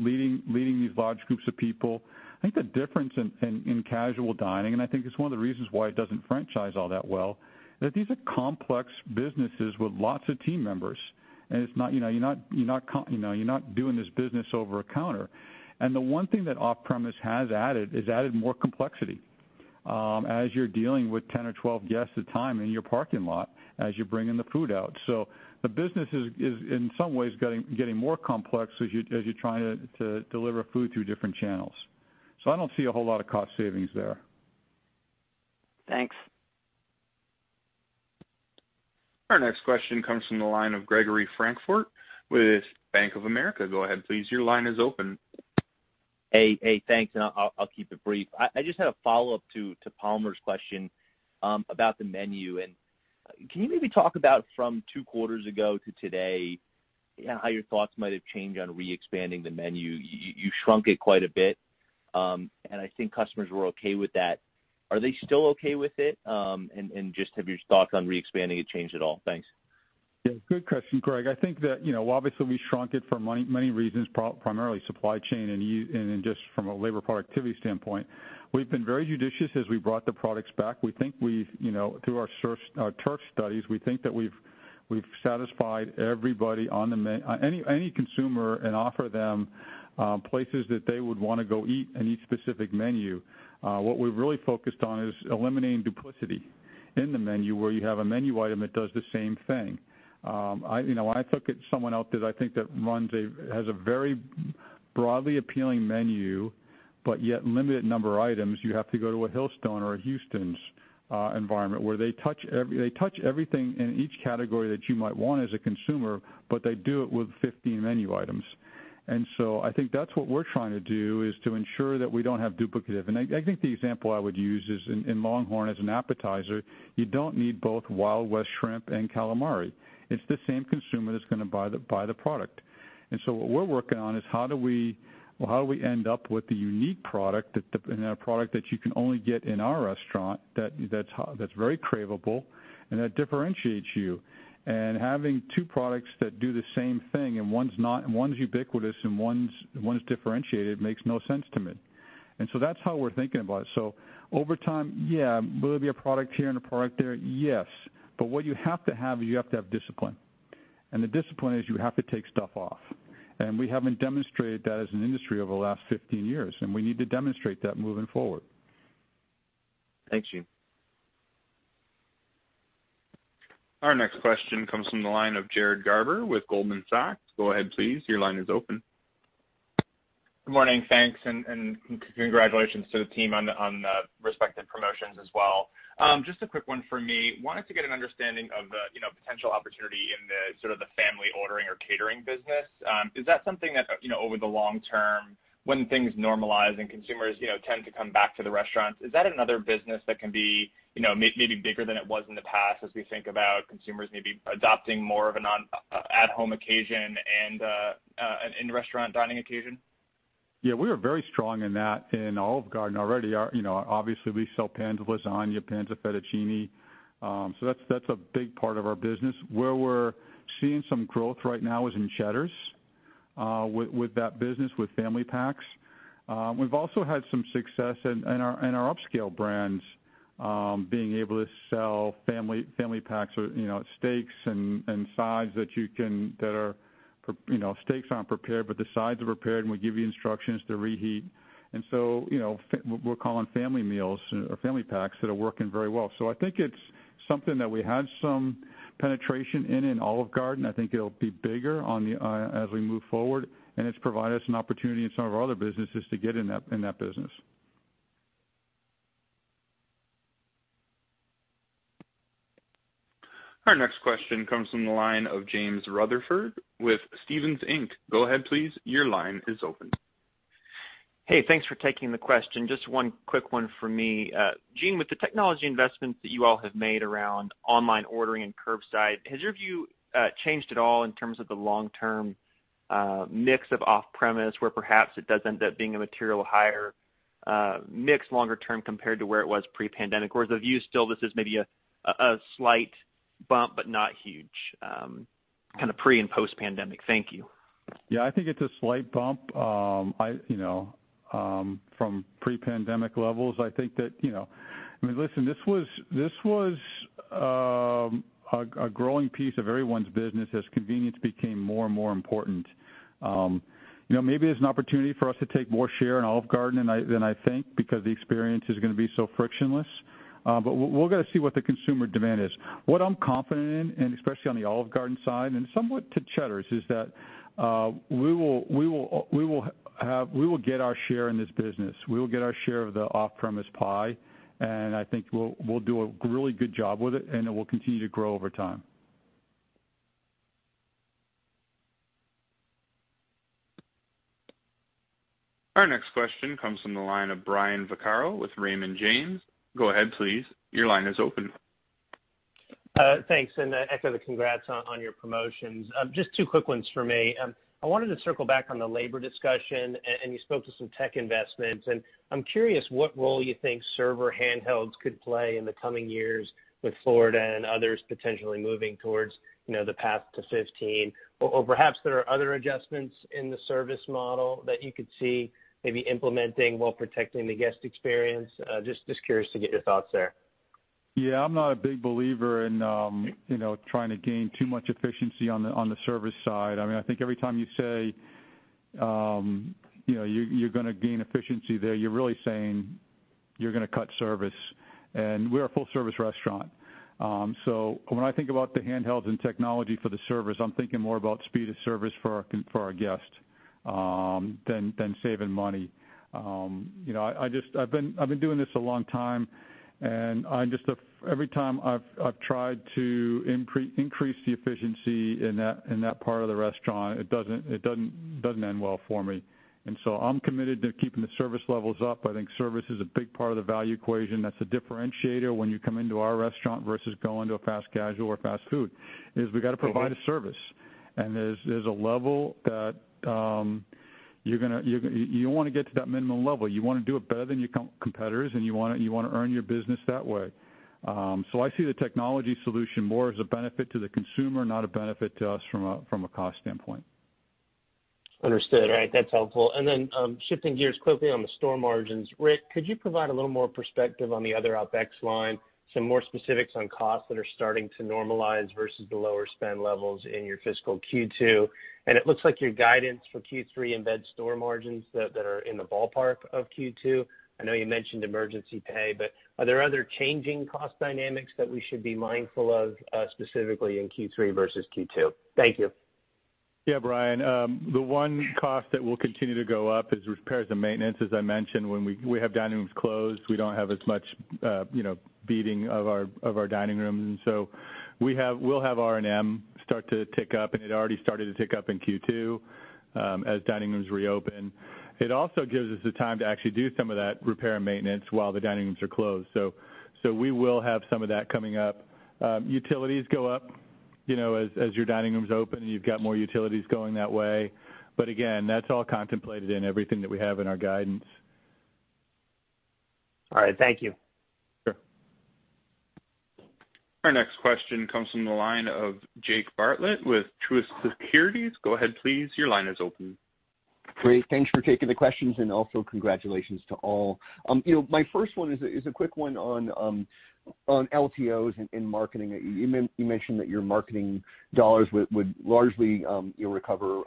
these large groups of people. I think the difference in casual dining, and I think it's one of the reasons why it doesn't franchise all that well, is that these are complex businesses with lots of team members. It's not you're not doing this business over a counter. The one thing that off-premise has added is added more complexity as you're dealing with 10 or 12 guests at a time in your parking lot as you're bringing the food out. The business is, in some ways, getting more complex as you're trying to deliver food through different channels. I don't see a whole lot of cost savings there. Thanks. Our next question comes from the line of Gregory Francfort with Bank of America. Go ahead, please. Your line is open. Hey, thanks. I'll keep it brief. I just had a follow-up to Palmer's question about the menu. Can you maybe talk about from two quarters ago to today how your thoughts might have changed on re-expanding the menu? You shrunk it quite a bit, and I think customers were okay with that. Are they still okay with it? Have your thoughts on re-expanding it changed at all? Thanks. Yeah. Good question, Greg. I think that, obviously, we shrunk it for many reasons, primarily supply chain and just from a labor productivity standpoint. We've been very judicious as we brought the products back. We think through our TURF studies, we think that we've satisfied everybody on any consumer and offer them places that they would want to go eat and eat specific menu. What we've really focused on is eliminating duplicity in the menu where you have a menu item that does the same thing. I took it someone else that I think that has a very broadly appealing menu, but yet limited number of items. You have to go to a Hillstone or a Houston's environment where they touch everything in each category that you might want as a consumer, but they do it with 15 menu items. I think that's what we're trying to do is to ensure that we don't have duplicative. I think the example I would use is in LongHorn as an appetizer, you don't need both Wild West Shrimp and calamari. It's the same consumer that's going to buy the product. What we're working on is how do we end up with the unique product and a product that you can only get in our restaurant that's very craveable and that differentiates you? Having two products that do the same thing and one's ubiquitous and one's differentiated makes no sense to me. That's how we're thinking about it. Over time, yeah, will it be a product here and a product there? Yes. What you have to have is you have to have discipline. The discipline is you have to take stuff off. We have not demonstrated that as an industry over the last 15 years. We need to demonstrate that moving forward. Thanks, Gene. Our next question comes from the line of Jared Garber with Goldman Sachs. Go ahead, please. Your line is open. Good morning. Thanks. Congratulations to the team on the respected promotions as well. Just a quick one for me. Wanted to get an understanding of the potential opportunity in the sort of the family ordering or catering business. Is that something that over the long term, when things normalize and consumers tend to come back to the restaurants, is that another business that can be maybe bigger than it was in the past as we think about consumers maybe adopting more of an at-home occasion and in restaurant dining occasion? Yeah. We are very strong in that in Olive Garden already. Obviously, we sell pans of lasagna, pans of fettuccine. That's a big part of our business. Where we're seeing some growth right now is in Cheddar's with that business with family packs. We've also had some success in our upscale brands being able to sell family packs or steaks and sides where steaks aren't prepared, but the sides are prepared, and we give you instructions to reheat. We are calling family meals or family packs that are working very well. I think it's something that we had some penetration in in Olive Garden. I think it'll be bigger as we move forward. It's provided us an opportunity in some of our other businesses to get in that business. Our next question comes from the line of James Rutherford with Stephens Inc. Go ahead, please. Your line is open. Hey, thanks for taking the question. Just one quick one for me. Gene, with the technology investments that you all have made around online ordering and curbside, has your view changed at all in terms of the long-term mix of off-premise where perhaps it does end up being a material higher mix longer term compared to where it was pre-pandemic? Or is the view still this is maybe a slight bump, but not huge kind of pre and post-pandemic? Thank you. Yeah. I think it's a slight bump. From pre-pandemic levels, I think that, I mean, listen, this was a growing piece of everyone's business as convenience became more and more important. Maybe there's an opportunity for us to take more share in Olive Garden than I think because the experience is going to be so frictionless. We'll get to see what the consumer demand is. What I'm confident in, and especially on the Olive Garden side and somewhat to Cheddar's, is that we will get our share in this business. We will get our share of the off-premise pie. I think we'll do a really good job with it, and it will continue to grow over time. Our next question comes from the line of Brian Vaccaro with Raymond James. Go ahead, please. Your line is open. Thanks. I echo the congrats on your promotions. Just two quick ones for me. I wanted to circle back on the labor discussion, and you spoke to some tech investments. I'm curious what role you think server handhelds could play in the coming years with Florida and others potentially moving towards the path to 15. Perhaps there are other adjustments in the service model that you could see maybe implementing while protecting the guest experience. Just curious to get your thoughts there. Yeah. I'm not a big believer in trying to gain too much efficiency on the service side. I mean, I think every time you say you're going to gain efficiency there, you're really saying you're going to cut service. And we're a full-service restaurant. So when I think about the handhelds and technology for the service, I'm thinking more about speed of service for our guests than saving money. I've been doing this a long time. Every time I've tried to increase the efficiency in that part of the restaurant, it doesn't end well for me. I am committed to keeping the service levels up. I think service is a big part of the value equation. That's a differentiator when you come into our restaurant versus going to a fast casual or fast food is we got to provide a service. There is a level that you want to get to, that minimum level. You want to do it better than your competitors, and you want to earn your business that way. I see the technology solution more as a benefit to the consumer, not a benefit to us from a cost standpoint. Understood. All right. That's helpful. Then shifting gears quickly on the store margins, Rick, could you provide a little more perspective on the other OpEx line, some more specifics on costs that are starting to normalize versus the lower spend levels in your fiscal Q2? It looks like your guidance for Q3 embed store margins that are in the ballpark of Q2. I know you mentioned emergency pay, but are there other changing cost dynamics that we should be mindful of specifically in Q3 versus Q2? Thank you. Yeah, Brian. The one cost that will continue to go up is repairs and maintenance. As I mentioned, when we have dining rooms closed, we do not have as much beating of our dining rooms. We will have R&M start to tick up, and it already started to tick up in Q2 as dining rooms reopen. It also gives us the time to actually do some of that repair and maintenance while the dining rooms are closed. We will have some of that coming up. Utilities go up as your dining rooms open, and you have more utilities going that way. Again, that is all contemplated in everything that we have in our guidance. All right. Thank you. Sure. Our next question comes from the line of Jake Bartlett with Truist Securities. Go ahead, please. Your line is open. Great. Thanks for taking the questions. Also, congratulations to all. My first one is a quick one on LTOs and marketing. You mentioned that your marketing dollars would largely recover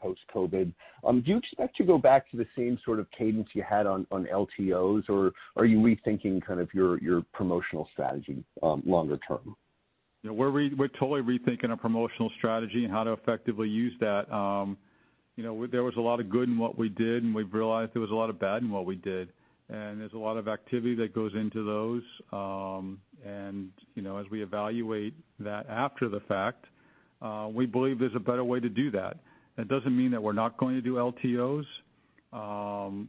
post-COVID. Do you expect to go back to the same sort of cadence you had on LTOs, or are you rethinking kind of your promotional strategy longer term? Yeah. We're totally rethinking our promotional strategy and how to effectively use that. There was a lot of good in what we did, and we've realized there was a lot of bad in what we did. There's a lot of activity that goes into those. As we evaluate that after the fact, we believe there's a better way to do that. It doesn't mean that we're not going to do LTOs,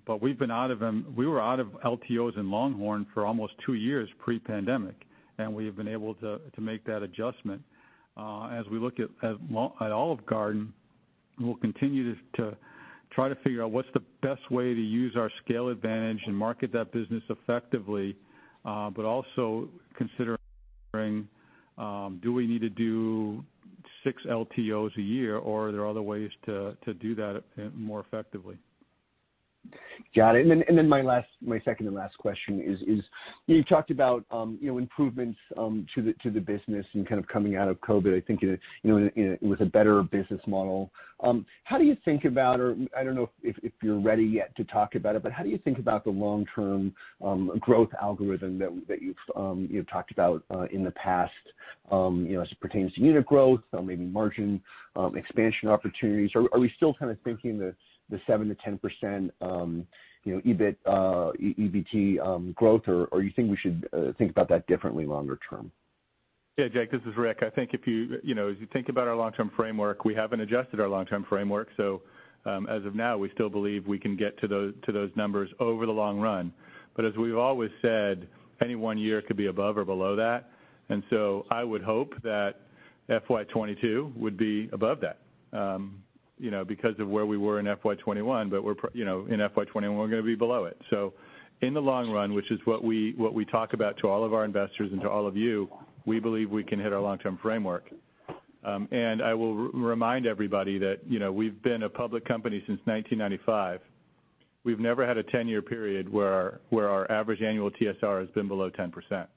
but we've been out of them; we were out of LTOs in LongHorn for almost two years pre-pandemic. We have been able to make that adjustment. As we look at Olive Garden, we'll continue to try to figure out what's the best way to use our scale advantage and market that business effectively, but also considering do we need to do six LTOs a year, or are there other ways to do that more effectively? Got it. My second and last question is you talked about improvements to the business and kind of coming out of COVID, I think, with a better business model. How do you think about—I do not know if you're ready yet to talk about it, but how do you think about the long-term growth algorithm that you've talked about in the past as it pertains to unit growth or maybe margin expansion opportunities? Are we still kind of thinking the 7%-10% EBIT growth, or do you think we should think about that differently longer term? Yeah, Jake, this is Rick. I think if you think about our long-term framework, we haven't adjusted our long-term framework. As of now, we still believe we can get to those numbers over the long run. As we've always said, any one year could be above or below that. I would hope that FY22 would be above that because of where we were in FY21. In FY21, we're going to be below it. In the long run, which is what we talk about to all of our investors and to all of you, we believe we can hit our long-term framework. I will remind everybody that we've been a public company since 1995. We've never had a 10-year period where our average annual TSR has been below 10%.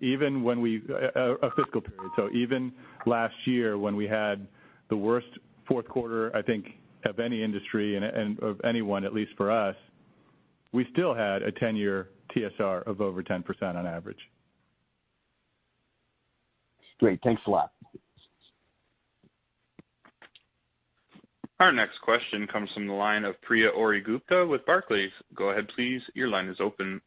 Even when we—a fiscal period. Even last year when we had the worst fourth quarter, I think, of any industry and of anyone, at least for us, we still had a 10-year TSR of over 10% on average. Great. Thanks a lot. Our next question comes from the line of Priya Ohri-Gupta with Barclays. Go ahead, please. Your line is open.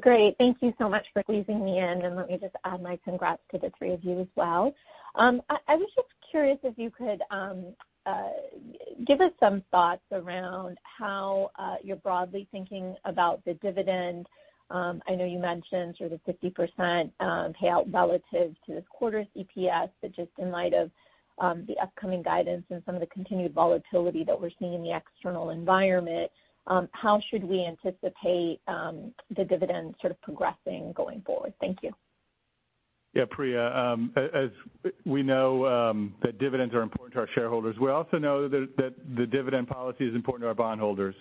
Great. Thank you so much for letting me in. Let me just add my congrats to the three of you as well. I was just curious if you could give us some thoughts around how you're broadly thinking about the dividend. I know you mentioned sort of 50% payout relative to this quarter's EPS, but just in light of the upcoming guidance and some of the continued volatility that we're seeing in the external environment, how should we anticipate the dividend sort of progressing going forward? Thank you. Yeah, Priya. As we know that dividends are important to our shareholders, we also know that the dividend policy is important to our bondholders.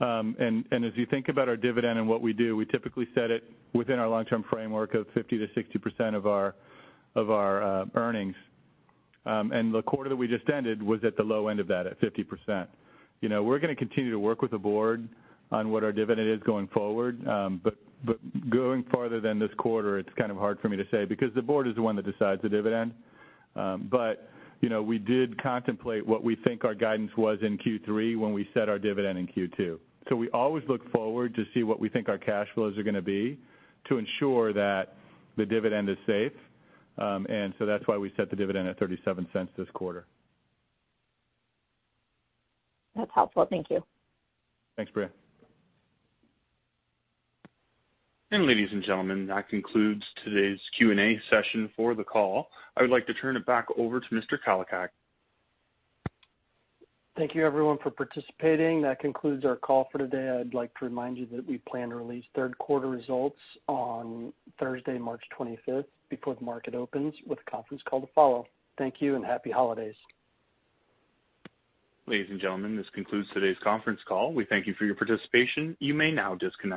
As you think about our dividend and what we do, we typically set it within our long-term framework of 50%-60% of our earnings. The quarter that we just ended was at the low end of that at 50%. We're going to continue to work with the board on what our dividend is going forward. Going farther than this quarter, it's kind of hard for me to say because the board is the one that decides the dividend. We did contemplate what we think our guidance was in Q3 when we set our dividend in Q2. We always look forward to see what we think our cash flows are going to be to ensure that the dividend is safe. That's why we set the dividend at $0.37 this quarter. That's helpful. Thank you. Thanks, Priya. Ladies and gentlemen, that concludes today's Q&A session for the call. I would like to turn it back over to Mr. Kalicak. Thank you, everyone, for participating. That concludes our call for today. I'd like to remind you that we plan to release third-quarter results on Thursday, March 25, before the market opens with a conference call to follow. Thank you and happy holidays. Ladies and gentlemen, this concludes today's conference call. We thank you for your participation. You may now disconnect.